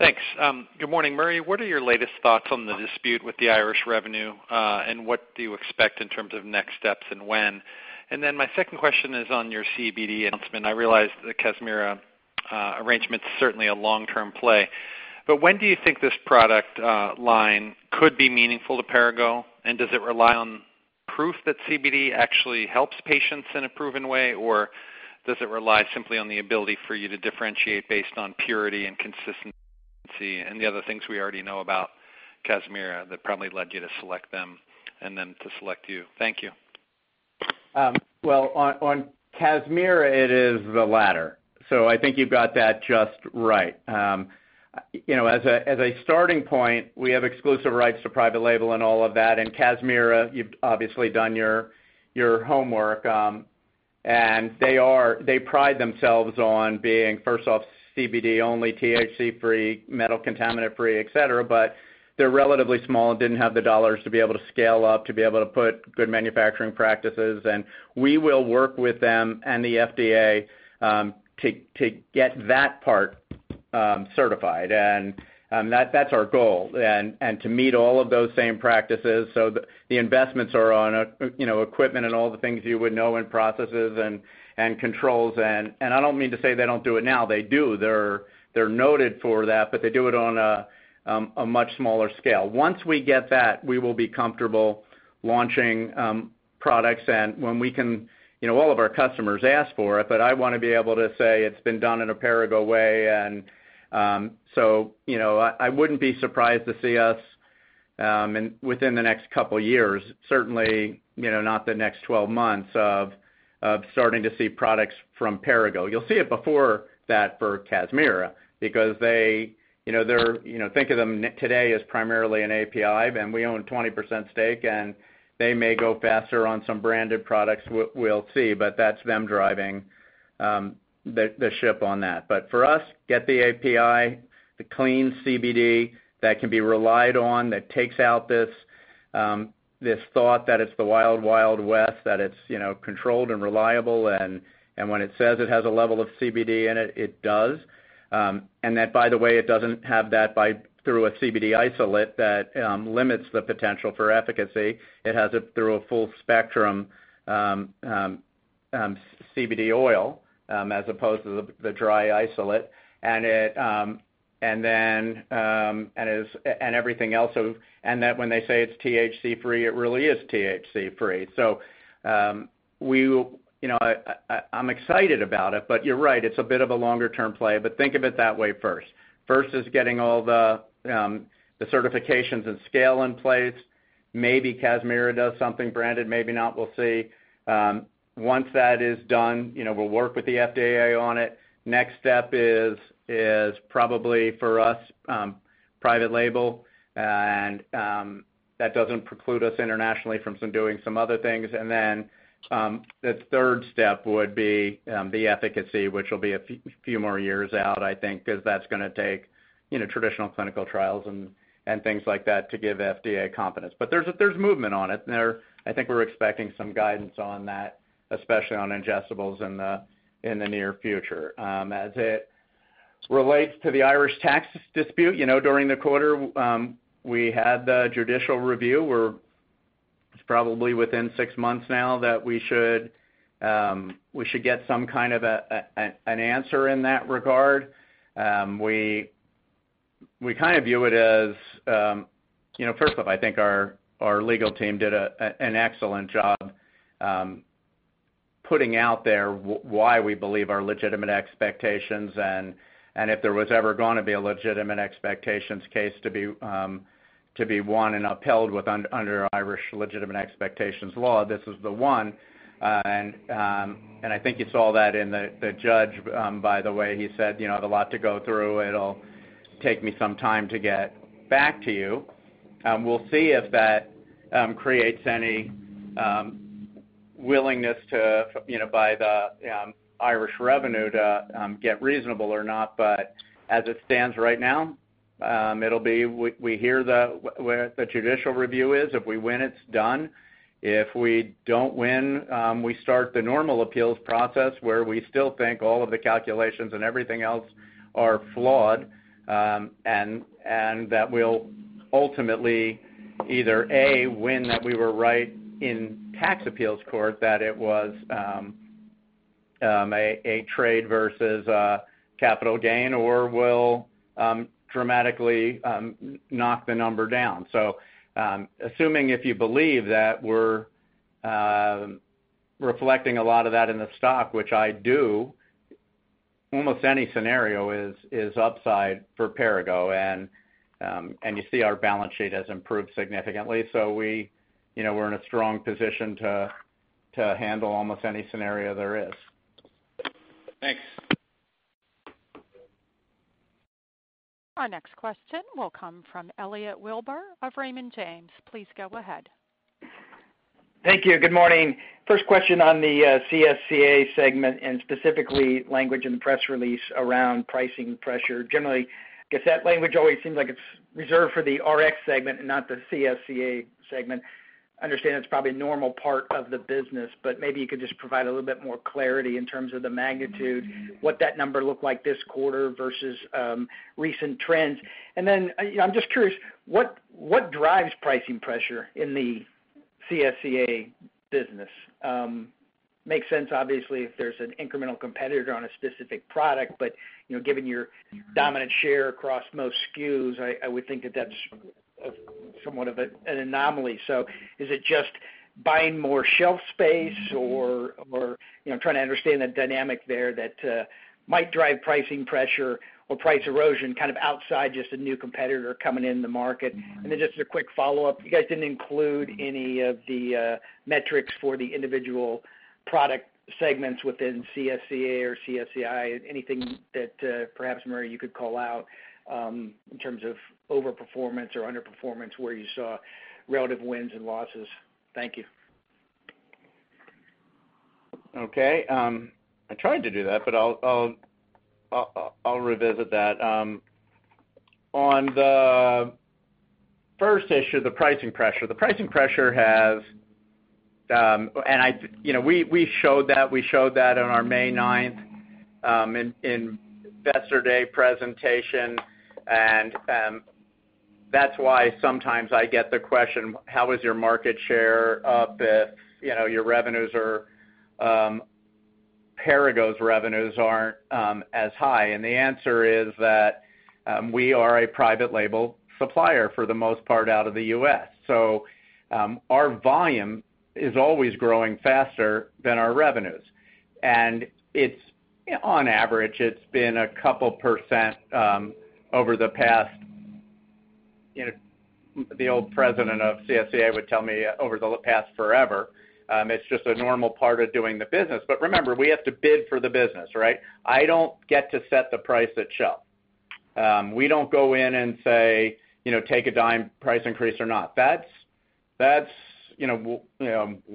Thanks. Good morning, Murray. What are your latest thoughts on the dispute with the Irish Revenue? What do you expect in terms of next steps and when? My second question is on your CBD announcement. I realize the Kazmira arrangement's certainly a long-term play. When do you think this product line could be meaningful to Perrigo? Does it rely on proof that CBD actually helps patients in a proven way, or does it rely simply on the ability for you to differentiate based on purity and consistency and the other things we already know about Kazmira that probably led you to select them, and then to select you? Thank you. Well, on Kazmira, it is the latter. I think you've got that just right. As a starting point, we have exclusive rights to private label and all of that, and Kazmira, you've obviously done your homework. They pride themselves on being, first off, CBD only, THC-free, metal contaminant-free, et cetera, but they're relatively small and didn't have the dollars to be able to scale up, to be able to put good manufacturing practices. We will work with them and the FDA to get that part certified. That's our goal. To meet all of those same practices, the investments are on equipment and all the things you would know, and processes and controls. I don't mean to say they don't do it now. They do. They're noted for that, but they do it on a much smaller scale. Once we get that, we will be comfortable launching products and when all of our customers ask for it, but I want to be able to say it's been done in a Perrigo way. I wouldn't be surprised to see us, within the next couple of years, certainly not the next 12 months, of starting to see products from Perrigo. You'll see it before that for Kazmira because think of them today as primarily an API, and we own 20% stake and they may go faster on some branded products. We'll see, but that's them driving the ship on that. For us, get the API, the clean CBD that can be relied on, that takes out this thought that it's the Wild Wild West, that it's controlled and reliable. When it says it has a level of CBD in it does. That, by the way, it doesn't have that through a CBD isolate that limits the potential for efficacy. It has it through a full-spectrum CBD oil as opposed to the dry isolate. Everything else when they say it's THC-free, it really is THC-free. I'm excited about it, but you're right. It's a bit of a longer-term play, but think of it that way first. First is getting all the certifications and scale in place. Maybe Kazmira does something branded, maybe not, we'll see. Once that is done, we'll work with the FDA on it. Next step is probably for us, private label, and that doesn't preclude us internationally from doing some other things. The third step would be the efficacy, which will be a few more years out, I think, because that's going to take traditional clinical trials and things like that to give FDA confidence. There's movement on it. I think we're expecting some guidance on that, especially on ingestibles in the near future. As it relates to the Irish tax dispute, during the quarter, we had the judicial review. It's probably within six months now that we should get some kind of an answer in that regard. First off, I think our legal team did an excellent job putting out there why we believe our legitimate expectations and if there was ever going to be a legitimate expectations case to be won and upheld under Irish legitimate expectations law, this is the one. I think you saw that in the judge, by the way, he said, "I have a lot to go through. It'll take me some time to get back to you." We'll see if that creates any willingness by the Irish Revenue to get reasonable or not. As it stands right now, we hear where the judicial review is. If we win, it's done. If we don't win, we start the normal appeals process where we still think all of the calculations and everything else are flawed, and that we'll ultimately either, A, win that we were right in tax appeals court that it was a trade versus a capital gain, or we'll dramatically knock the number down. Assuming if you believe that we're reflecting a lot of that in the stock, which I do, almost any scenario is upside for Perrigo. You see our balance sheet has improved significantly. We're in a strong position to handle almost any scenario there is. Thanks. Our next question will come from Elliot Wilbur of Raymond James. Please go ahead. Thank you. Good morning. First question on the CSCA segment, specifically language in the press release around pricing pressure. Generally, I guess that language always seems like it's reserved for the Rx segment and not the CSCA segment. I understand it's probably a normal part of the business, maybe you could just provide a little bit more clarity in terms of the magnitude, what that number looked like this quarter versus recent trends. I'm just curious, what drives pricing pressure in the CSCA business? Makes sense, obviously, if there's an incremental competitor on a specific product, but given your dominant share across most SKUs, I would think that that's somewhat of an anomaly. Is it just buying more shelf space, or I'm trying to understand the dynamic there that might drive pricing pressure or price erosion outside just a new competitor coming in the market. Then just as a quick follow-up, you guys didn't include any of the metrics for the individual product segments within CSCA or CSCI. Anything that perhaps, Murray, you could call out in terms of over-performance or under-performance where you saw relative wins and losses? Thank you. Okay. I tried to do that, but I'll revisit that. On the first issue, the pricing pressure. We showed that on our May 9th Investor Day presentation. That's why sometimes I get the question, how is your market share up if Perrigo's revenues aren't as high? The answer is that we are a private label supplier, for the most part, out of the U.S. Our volume is always growing faster than our revenues. On average, it's been a couple percent over the past, the old president of CSCA would tell me, over the past forever. It's just a normal part of doing the business. Remember, we have to bid for the business, right? I don't get to set the price at shelf. We don't go in and say, "Take a dime price increase or not." That's Walmart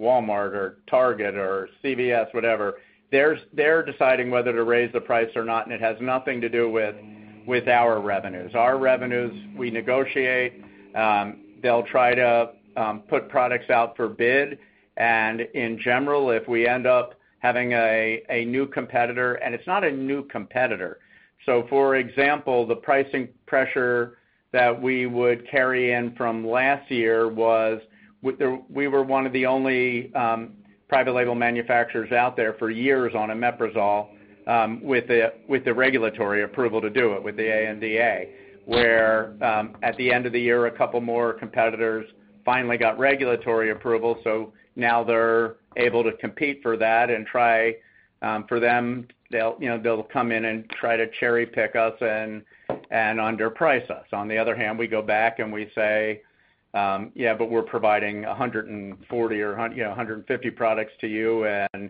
or Target or CVS, whatever. They're deciding whether to raise the price or not, and it has nothing to do with our revenues. Our revenues, we negotiate. They'll try to put products out for bid, and in general, if we end up having a new competitor, and it's not a new competitor. For example, the pricing pressure that we would carry in from last year was, we were one of the only private label manufacturers out there for years on omeprazole with the regulatory approval to do it, with the ANDA, where at the end of the year, a couple more competitors finally got regulatory approval. Now they're able to compete for that and try for them. They'll come in and try to cherry-pick us and underprice us. On the other hand, we go back and we say, "Yeah, but we're providing 140 or 150 products to you, and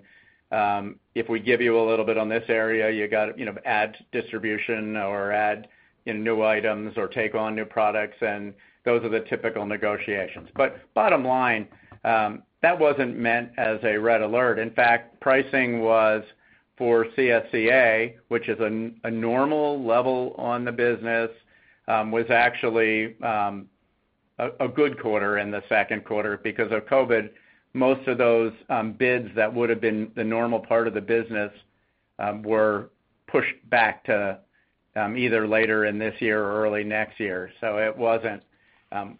if we give you a little bit on this area, you got to add distribution or add new items or take on new products." Those are the typical negotiations. Bottom line, that wasn't meant as a red alert. Pricing was for CSCA, which is a normal level on the business, was actually a good quarter in the second quarter because of COVID. Most of those bids that would've been the normal part of the business were pushed back to either later in this year or early next year. It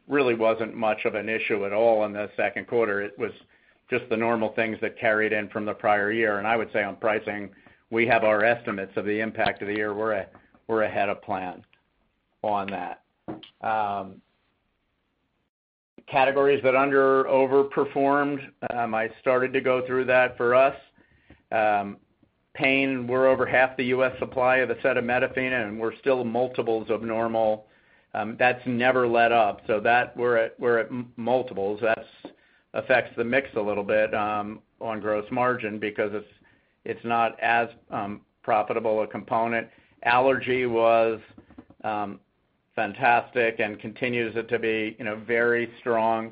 really wasn't much of an issue at all in the second quarter. It was just the normal things that carried in from the prior year. I would say on pricing, we have our estimates of the impact of the year. We're ahead of plan on that. Categories that over-performed, I started to go through that for us. Pain, we're over half the U.S. supply of acetaminophen, and we're still multiples of normal. That's never let up. That, we're at multiples. That affects the mix a little bit on gross margin because it's not as profitable a component. Allergy was fantastic and continues it to be very strong.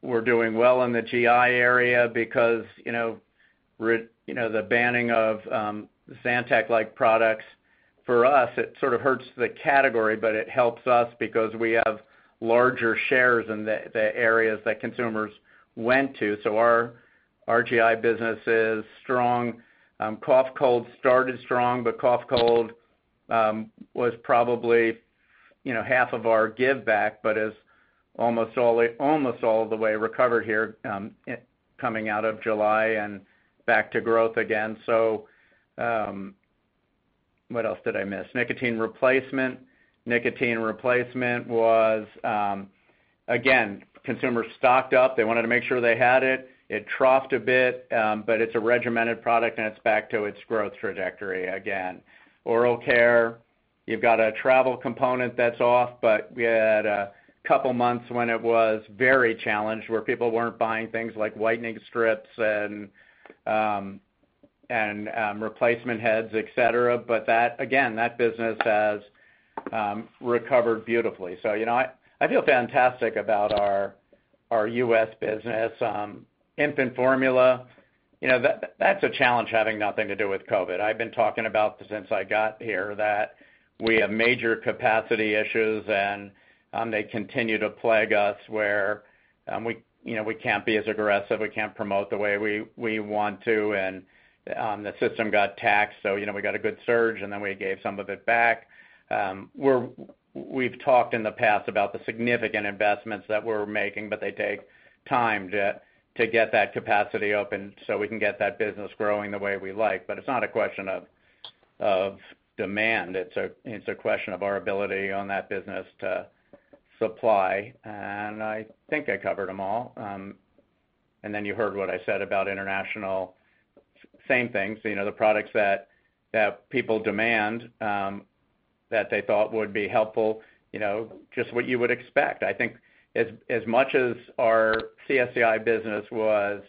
We're doing well in the GI area because the banning of Zantac-like products. For us, it sort of hurts the category, but it helps us because we have larger shares in the areas that consumers went to. Our GI business is strong. Cough, cold started strong, but cough, cold was probably half of our give back, but is almost all the way recovered here coming out of July and back to growth again. What else did I miss? Nicotine replacement. Nicotine replacement was, again, consumers stocked up. They wanted to make sure they had it. It troughed a bit, but it's a regimented product, and it's back to its growth trajectory again. Oral care, you've got a travel component that's off, but we had a couple of months when it was very challenged, where people weren't buying things like whitening strips and replacement heads, et cetera. Again, that business has recovered beautifully. I feel fantastic about our U.S. business. Infant formula, that's a challenge having nothing to do with COVID. I've been talking about this since I got here, that we have major capacity issues. They continue to plague us where we can't be as aggressive, we can't promote the way we want to. The system got taxed. We got a good surge. Then we gave some of it back. We've talked in the past about the significant investments that we're making. They take time to get that capacity open so we can get that business growing the way we like. It's not a question of demand. It's a question of our ability on that business to supply. I think I covered them all. You heard what I said about International, same thing. The products that people demand, that they thought would be helpful, just what you would expect. I think as much as our CSCI business was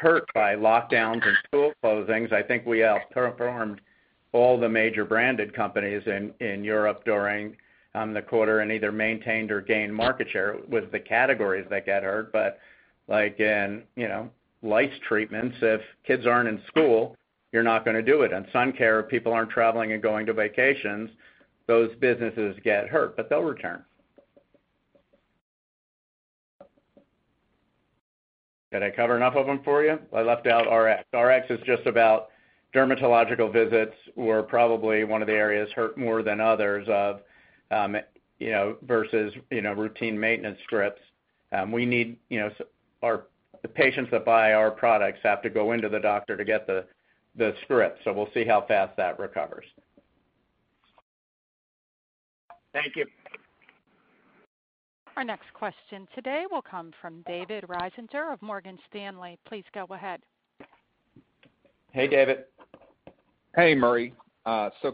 hurt by lockdowns and school closings, I think we outperformed all the major branded companies in Europe during the quarter and either maintained or gained market share with the categories that get hurt. Like in lice treatments, if kids aren't in school, you're not going to do it. In sun care, if people aren't traveling and going to vacations, those businesses get hurt, but they'll return. Did I cover enough of them for you? I left out Rx. Rx is just about dermatological visits were probably one of the areas hurt more than others versus routine maintenance scripts. The patients that buy our products have to go into the doctor to get the script. We'll see how fast that recovers. Thank you. Our next question today will come from David Risinger of Morgan Stanley. Please go ahead. Hey, David. Hey, Murray.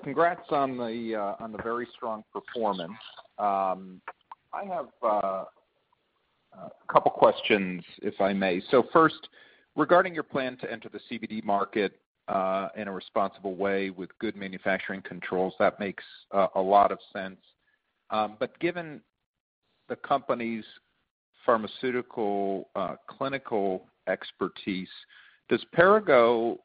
Congrats on the very strong performance. I have a couple of questions, if I may. First, regarding your plan to enter the CBD market, in a responsible way with good manufacturing controls, that makes a lot of sense. Given the company's pharmaceutical clinical expertise, does Perrigo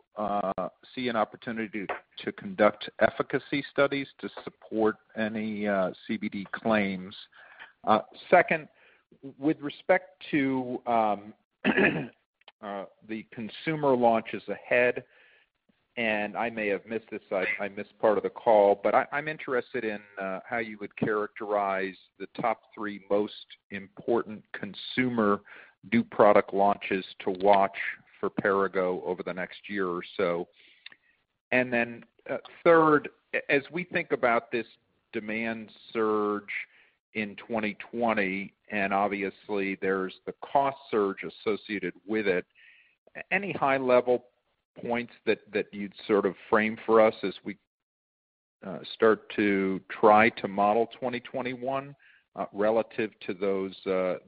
see an opportunity to conduct efficacy studies to support any CBD claims? Second, with respect to the consumer launches ahead, and I may have missed this, I missed part of the call, but I'm interested in how you would characterize the top three most important consumer new product launches to watch for Perrigo over the next year or so. Third, as we think about this demand surge in 2020, and obviously there's the cost surge associated with it, any high-level points that you'd sort of frame for us as we start to try to model 2021 relative to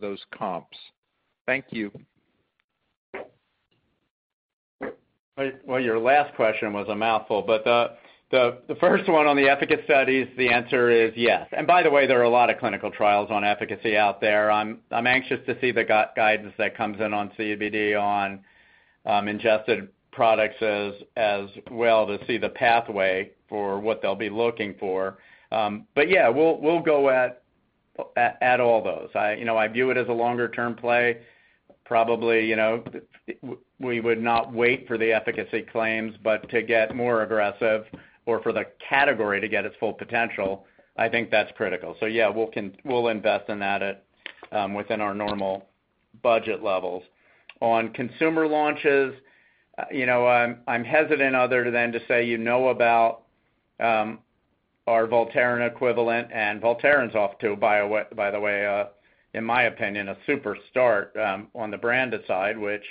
those comps? Thank you. Well, your last question was a mouthful, but the first one on the efficacy studies, the answer is yes. By the way, there are a lot of clinical trials on efficacy out there. I'm anxious to see the guidance that comes in on CBD on ingested products as well to see the pathway for what they'll be looking for. Yeah, we'll go at all those. I view it as a longer-term play. Probably, we would not wait for the efficacy claims, but to get more aggressive or for the category to get its full potential, I think that's critical. Yeah, we'll invest in that within our normal budget levels. On consumer launches, I'm hesitant other than to say you know about our Voltaren equivalent and Voltaren's off to, by the way, in my opinion, a super start on the branded side, which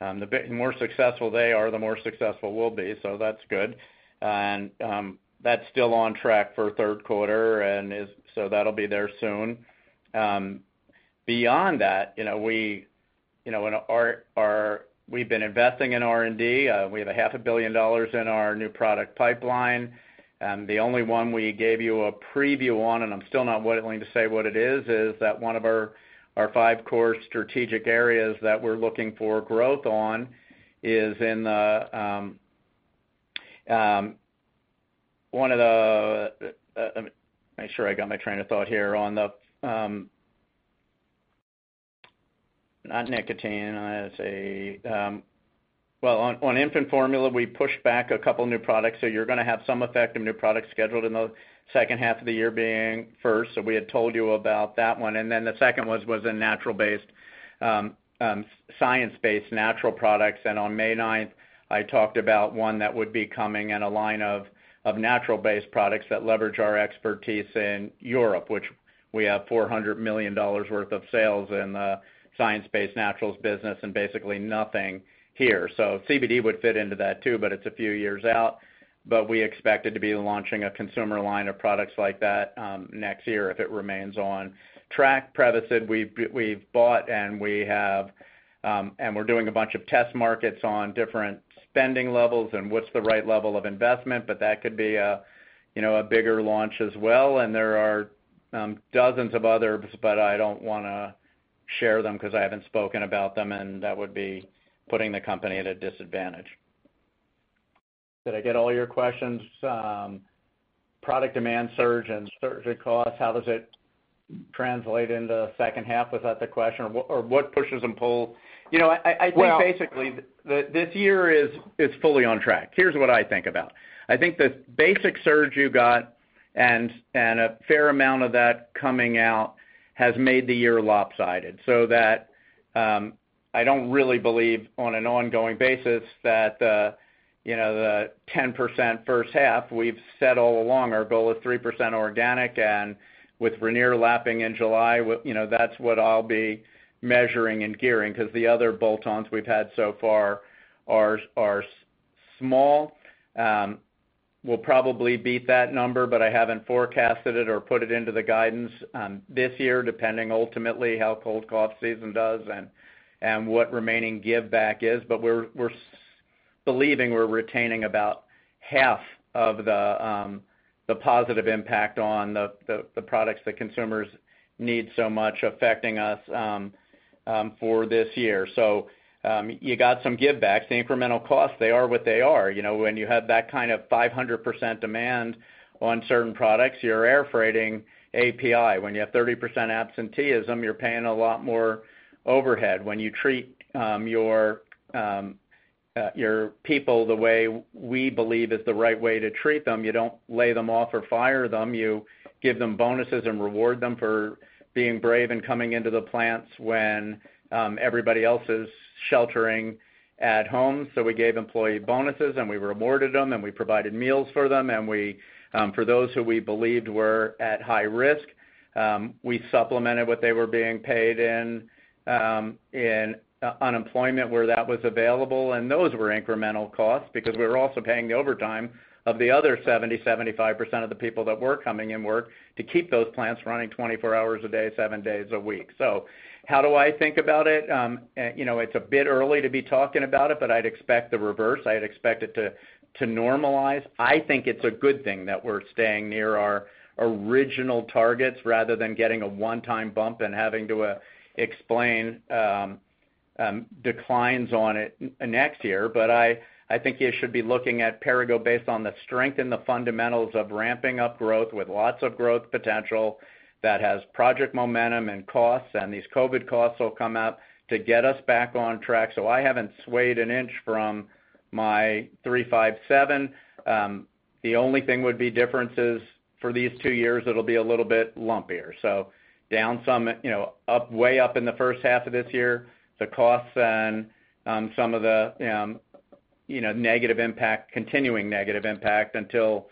the more successful they are, the more successful we'll be. That's good. That's still on track for third quarter and so that'll be there soon. Beyond that, we've been investing in R&D. We have $500 million in our new product pipeline. The only one we gave you a preview on, and I'm still not willing to say what it is that one of our five core strategic areas that we're looking for growth on. Make sure I got my train of thought here on the not nicotine, I say. Well, on infant formula, we pushed back a couple new products. You're going to have some effective new products scheduled in the second half of the year being first. We had told you about that one. The second was a science-based natural products. On May 9th, I talked about one that would be coming in a line of natural-based products that leverage our expertise in Europe, which we have $400 million worth of sales in the science-based naturals business and basically nothing here. CBD would fit into that too, but it's a few years out, but we expected to be launching a consumer line of products like that next year if it remains on track. Prevacid, we've bought. We're doing a bunch of test markets on different spending levels and what's the right level of investment. That could be a bigger launch as well. There are dozens of others, but I don't want to share them because I haven't spoken about them. That would be putting the company at a disadvantage. Did I get all your questions? Product demand surge and surgery costs, how does it translate into second half? Was that the question? What pushes and pulls? I think basically, this year is fully on track. Here's what I think about. I think the basic surge you got. A fair amount of that coming out has made the year lopsided. That I don't really believe on an ongoing basis that the 10% first half, we've said all along, our goal is 3% organic. With Ranir lapping in July, that's what I'll be measuring and gearing, because the other bolt-ons we've had so far are small. We'll probably beat that number, but I haven't forecasted it or put it into the guidance this year, depending ultimately how cold and cough season does and what remaining giveback is. We're believing we're retaining about half of the positive impact on the products that consumers need so much affecting us for this year. You got some givebacks. The incremental costs, they are what they are. When you have that kind of 500% demand on certain products, you're air freighting API. When you have 30% absenteeism, you're paying a lot more overhead. When you treat your people the way we believe is the right way to treat them, you don't lay them off or fire them. You give them bonuses and reward them for being brave and coming into the plants when everybody else is sheltering at home. We gave employee bonuses, we rewarded them, we provided meals for them. For those who we believed were at high risk, we supplemented what they were being paid in unemployment where that was available. Those were incremental costs because we were also paying the overtime of the other 70%, 75% of the people that were coming in work to keep those plants running 24 hours a day, seven days a week. How do I think about it? It's a bit early to be talking about it, but I'd expect the reverse. I'd expect it to normalize. I think it's a good thing that we're staying near our original targets rather than getting a one-time bump and having to explain declines on it next year. I think you should be looking at Perrigo based on the strength and the fundamentals of ramping up growth with lots of growth potential that has Project Momentum and costs, and these COVID costs will come out to get us back on track. I haven't swayed an inch from my 3/5/7. The only thing would be differences for these two years, it'll be a little bit lumpier. Down some, way up in the first half of this year, the costs and some of the continuing negative impact until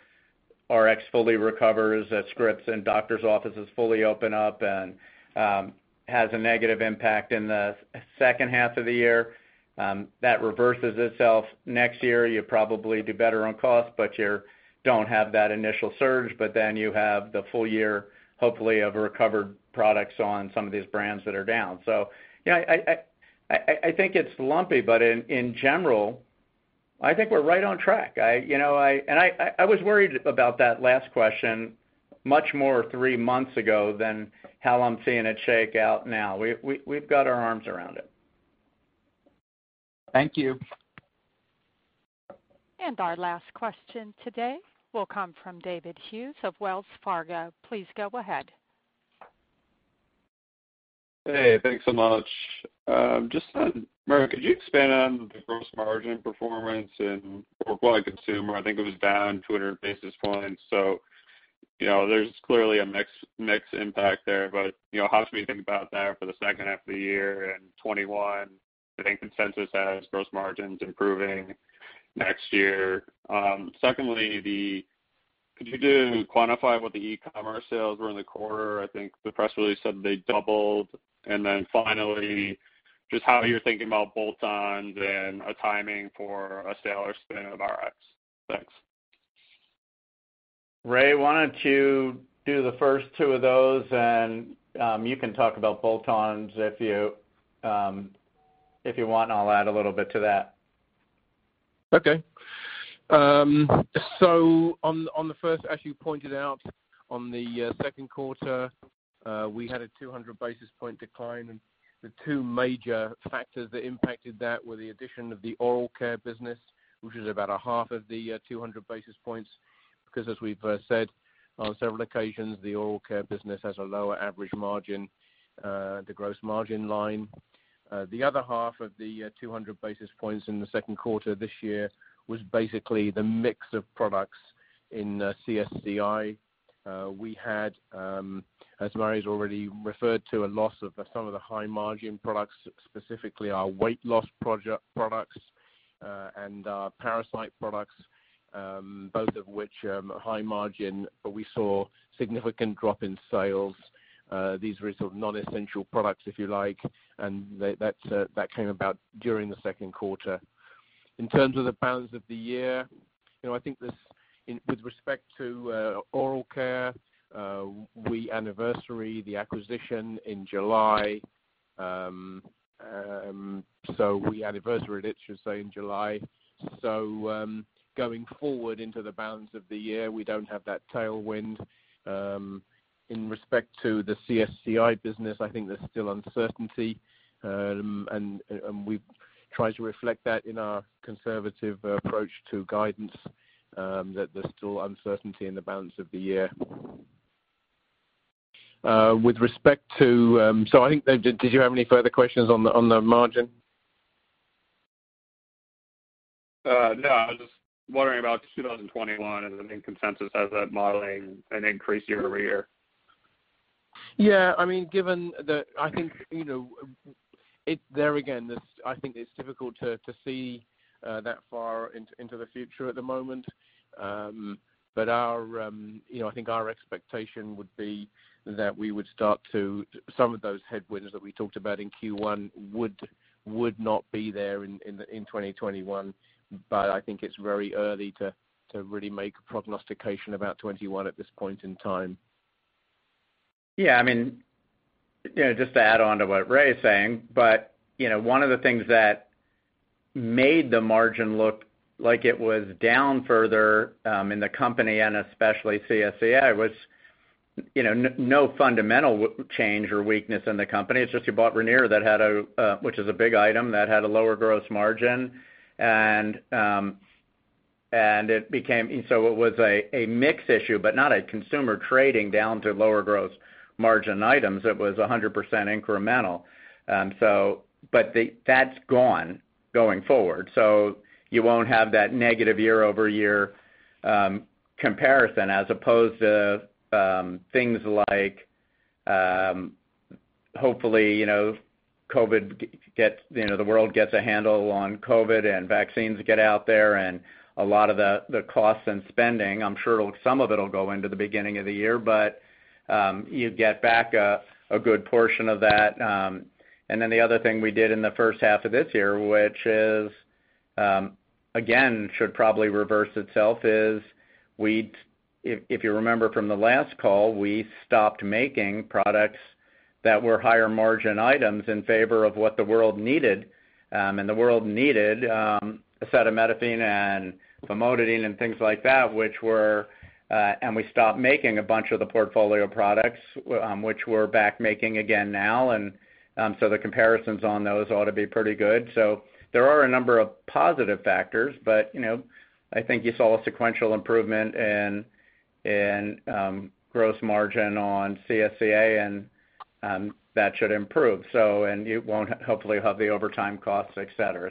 Rx fully recovers as scripts and doctor's offices fully open up and has a negative impact in the second half of the year. That reverses itself next year. You'll probably do better on cost, but you don't have that initial surge, but then you have the full year, hopefully, of recovered products on some of these brands that are down. Yeah, I think it's lumpy, but in general, I think we're right on track. I was worried about that last question much more three months ago than how I'm seeing it shake out now. We've got our arms around it. Thank you. Our last question today will come from David Hughes of Wells Fargo. Please go ahead. Hey, thanks so much. Just on, Murray, could you expand on the gross margin performance in consumer, I think it was down 200 basis points. There's clearly a mix impact there, but how should we think about that for the second half of the year and 2021? I think consensus has gross margins improving next year. Secondly, could you quantify what the e-commerce sales were in the quarter? I think the press release said they doubled. Finally, just how you're thinking about bolt-ons and a timing for a sale or spin of Rx. Thanks. Ray, why don't you do the first two of those and you can talk about bolt-ons if you want, and I'll add a little bit to that. Okay. On the first as you pointed out, on the second quarter, we had a 200 basis point decline in the two major factors that impacted that were the addition of the oral care business, which is about a half of the 200 basis points. As we've said on several occasions, the oral care business has a lower average margin, the gross margin line. The other half of the 200 basis points in the second quarter this year was basically the mix of products in CSCI. We had, as Murray's already referred to, a loss of some of the high-margin products, specifically our weight loss products and our parasite products, both of which are high-margin. We saw a significant drop in sales. These were sort of non-essential products, if you like, and that came about during the second quarter. In terms of the balance of the year, I think with respect to oral care, we anniversary the acquisition in July. We anniversaried it, should say, in July. Going forward into the balance of the year, we don't have that tailwind. In respect to the CSCI business, I think there's still uncertainty, and we try to reflect that in our conservative approach to guidance, that there's still uncertainty in the balance of the year. I think, did you have any further questions on the margin? No, I was just wondering about 2021 as the main consensus. How's that modeling an increase year-over-year? Yeah. There again, I think it's difficult to see that far into the future at the moment. I think our expectation would be that some of those headwinds that we talked about in Q1 would not be there in 2021. I think it's very early to really make a prognostication about 2021 at this point in time. Yeah. Just to add on to what Ray is saying, one of the things that made the margin look like it was down further, in the company and especially CSCA, was no fundamental change or weakness in the company. It's just you bought Ranir, which is a big item that had a lower gross margin. It was a mix issue, but not a consumer trading down to lower gross margin items. It was 100% incremental. That's gone, going forward. You won't have that negative year-over-year comparison as opposed to things like, hopefully, the world gets a handle on COVID and vaccines get out there, a lot of the costs and spending, I'm sure some of it'll go into the beginning of the year, but you get back a good portion of that. The other thing we did in the first half of this year, which, again, should probably reverse itself is, if you remember from the last call, we stopped making products that were higher margin items in favor of what the world needed. The world needed acetaminophen and famotidine and things like that, and we stopped making a bunch of the portfolio products, which we're back making again now. The comparisons on those ought to be pretty good. There are a number of positive factors, but I think you saw a sequential improvement in gross margin on CSCA, and that should improve. You won't hopefully have the overtime costs, et cetera.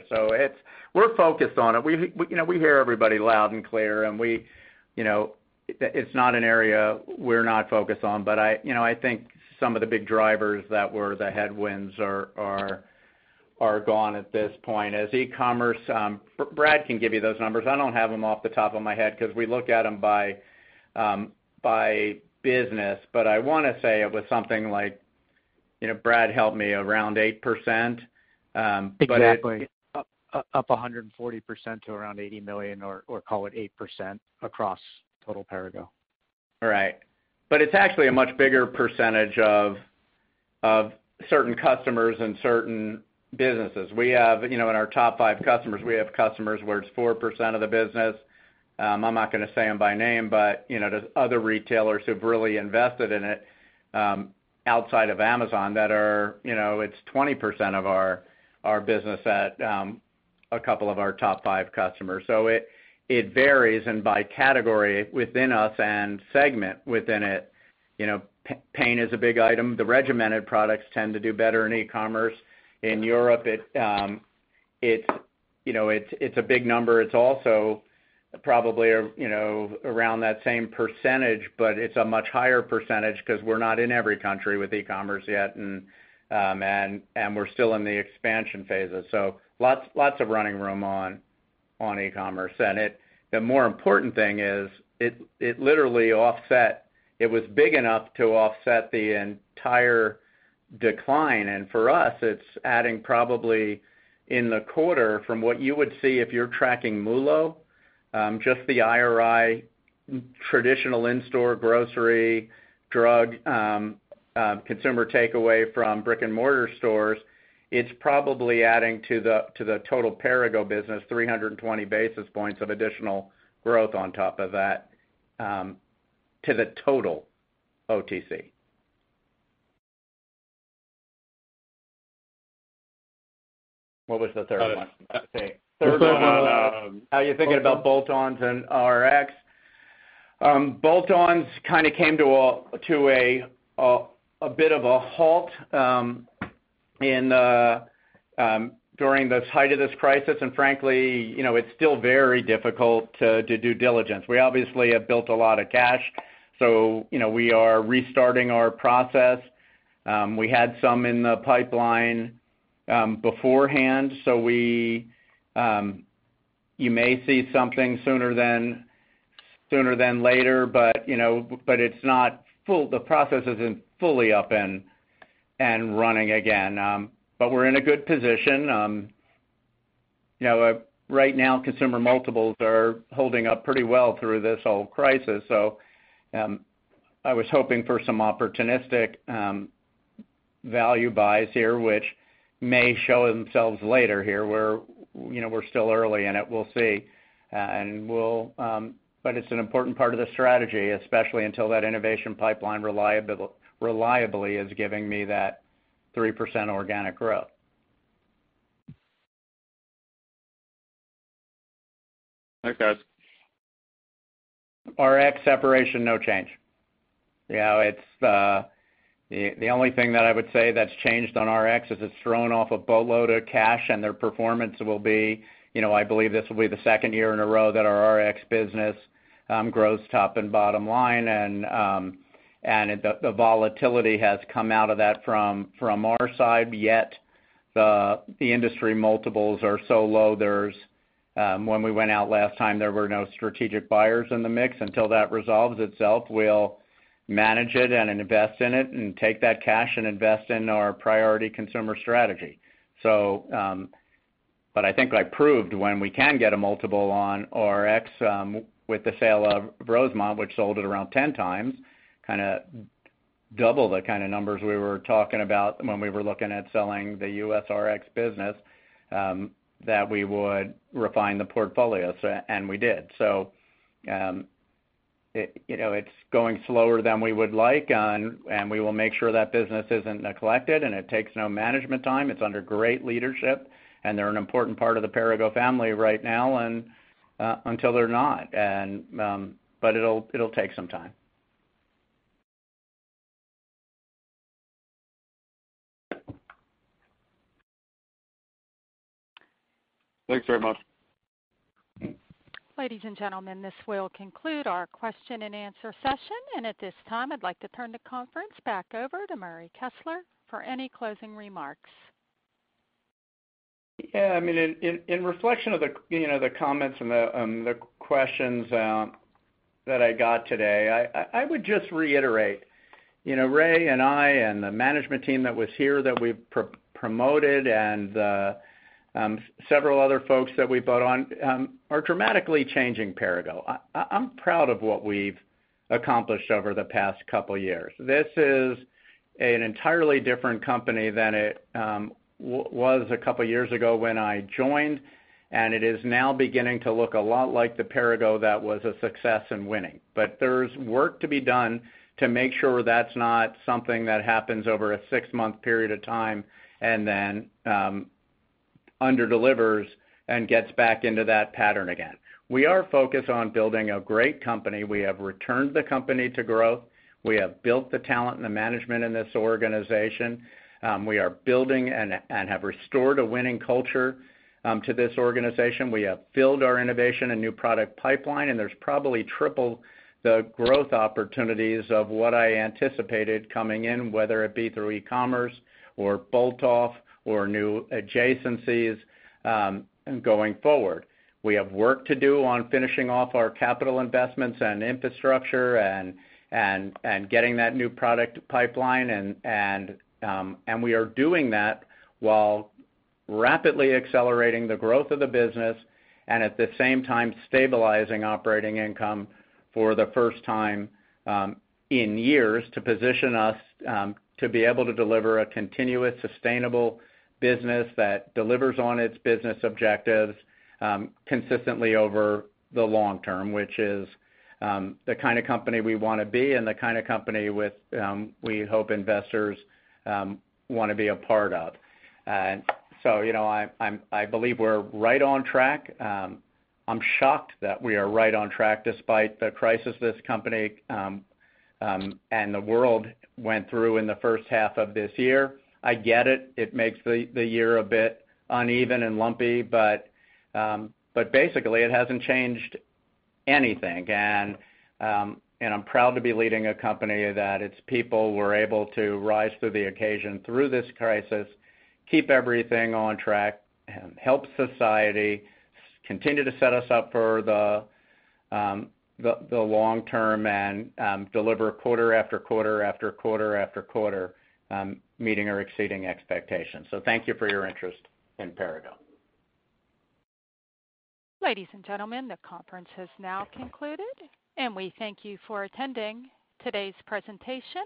We're focused on it. We hear everybody loud and clear, and it's not an area we're not focused on, but I think some of the big drivers that were the headwinds are gone at this point. As e-commerce, Brad can give you those numbers. I don't have them off the top of my head because we look at them by business. I want to say it was something like, Brad help me, around 8%? Exactly. Up 140% to around $80 million, or call it 8% across total Perrigo. Right. It's actually a much bigger percentage of certain customers and certain businesses. In our top five customers, we have customers where it's 4% of the business. I'm not going to say them by name, but there's other retailers who've really invested in it, outside of Amazon. It's 20% of our business at a couple of our top five customers. It varies, and by category within us and segment within it. Pain is a big item. The regimented products tend to do better in e-commerce. In Europe, it's a big number. It's also probably around that same percentage, but it's a much higher percentage because we're not in every country with e-commerce yet, and we're still in the expansion phases. Lots of running room on e-commerce. The more important thing is it was big enough to offset the entire decline. For us, it's adding probably in the quarter, from what you would see if you're tracking MULO, just the IRI traditional in-store grocery, drug, consumer takeaway from brick and mortar stores. It's probably adding to the total Perrigo business, 320 basis points of additional growth on top of that, to the total OTC. What was the third one? The third one- How you're thinking about bolt-ons and Rx. Bolt-ons kind of came to a bit of a halt during the height of this crisis, and frankly, it's still very difficult to due diligence. We obviously have built a lot of cash, so we are restarting our process. We had some in the pipeline beforehand, so you may see something sooner than later, but the process isn't fully up and running again. We're in a good position. Right now, consumer multiples are holding up pretty well through this whole crisis. I was hoping for some opportunistic value buys here, which may show themselves later here. We're still early in it. We'll see. It's an important part of the strategy, especially until that innovation pipeline reliably is giving me that 3% organic growth. Thanks, guys. Rx separation, no change. The only thing that I would say that's changed on Rx is it's thrown off a boatload of cash and their performance, I believe this will be the second year in a row that our Rx business grows top and bottom line. The volatility has come out of that from our side, yet the industry multiples are so low. When we went out last time, there were no strategic buyers in the mix. Until that resolves itself, we'll manage it and invest in it and take that cash and invest in our priority consumer strategy. I think I proved when we can get a multiple on Rx with the sale of Rosemont, which sold at around 10x, double the kind of numbers we were talking about when we were looking at selling the U.S. Rx business, that we would refine the portfolio, and we did. It's going slower than we would like, and we will make sure that business isn't neglected, and it takes no management time. It's under great leadership, and they're an important part of the Perrigo family right now and until they're not. It'll take some time. Thanks very much. Ladies and gentlemen, this will conclude our question and answer session. At this time, I'd like to turn the conference back over to Murray Kessler for any closing remarks. Yeah, in reflection of the comments and the questions that I got today, I would just reiterate, Ray and I and the management team that was here that we've promoted and several other folks that we brought on are dramatically changing Perrigo. I'm proud of what we've accomplished over the past couple years. This is an entirely different company than it was a couple years ago when I joined, and it is now beginning to look a lot like the Perrigo that was a success in winning. There's work to be done to make sure that's not something that happens over a six-month period of time and then under-delivers and gets back into that pattern again. We are focused on building a great company. We have returned the company to growth. We have built the talent and the management in this organization. We are building and have restored a winning culture to this organization. We have filled our innovation and new product pipeline, there's probably triple the growth opportunities of what I anticipated coming in, whether it be through e-commerce or bolt-off or new adjacencies going forward. We have work to do on finishing off our capital investments and infrastructure and getting that new product pipeline, we are doing that while rapidly accelerating the growth of the business and, at the same time, stabilizing operating income for the first time in years to position us to be able to deliver a continuous, sustainable business that delivers on its business objectives consistently over the long term, which is the kind of company we want to be and the kind of company we hope investors want to be a part of. I believe we're right on track. I'm shocked that we are right on track despite the crisis this company and the world went through in the first half of this year. I get it. It makes the year a bit uneven and lumpy, but basically it hasn't changed anything. I'm proud to be leading a company that its people were able to rise to the occasion through this crisis, keep everything on track, and help society continue to set us up for the long term and deliver quarter after quarter after quarter after quarter, meeting or exceeding expectations. Thank you for your interest in Perrigo. Ladies and gentlemen, the conference has now concluded, and we thank you for attending today's presentation.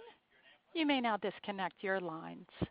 You may now disconnect your lines.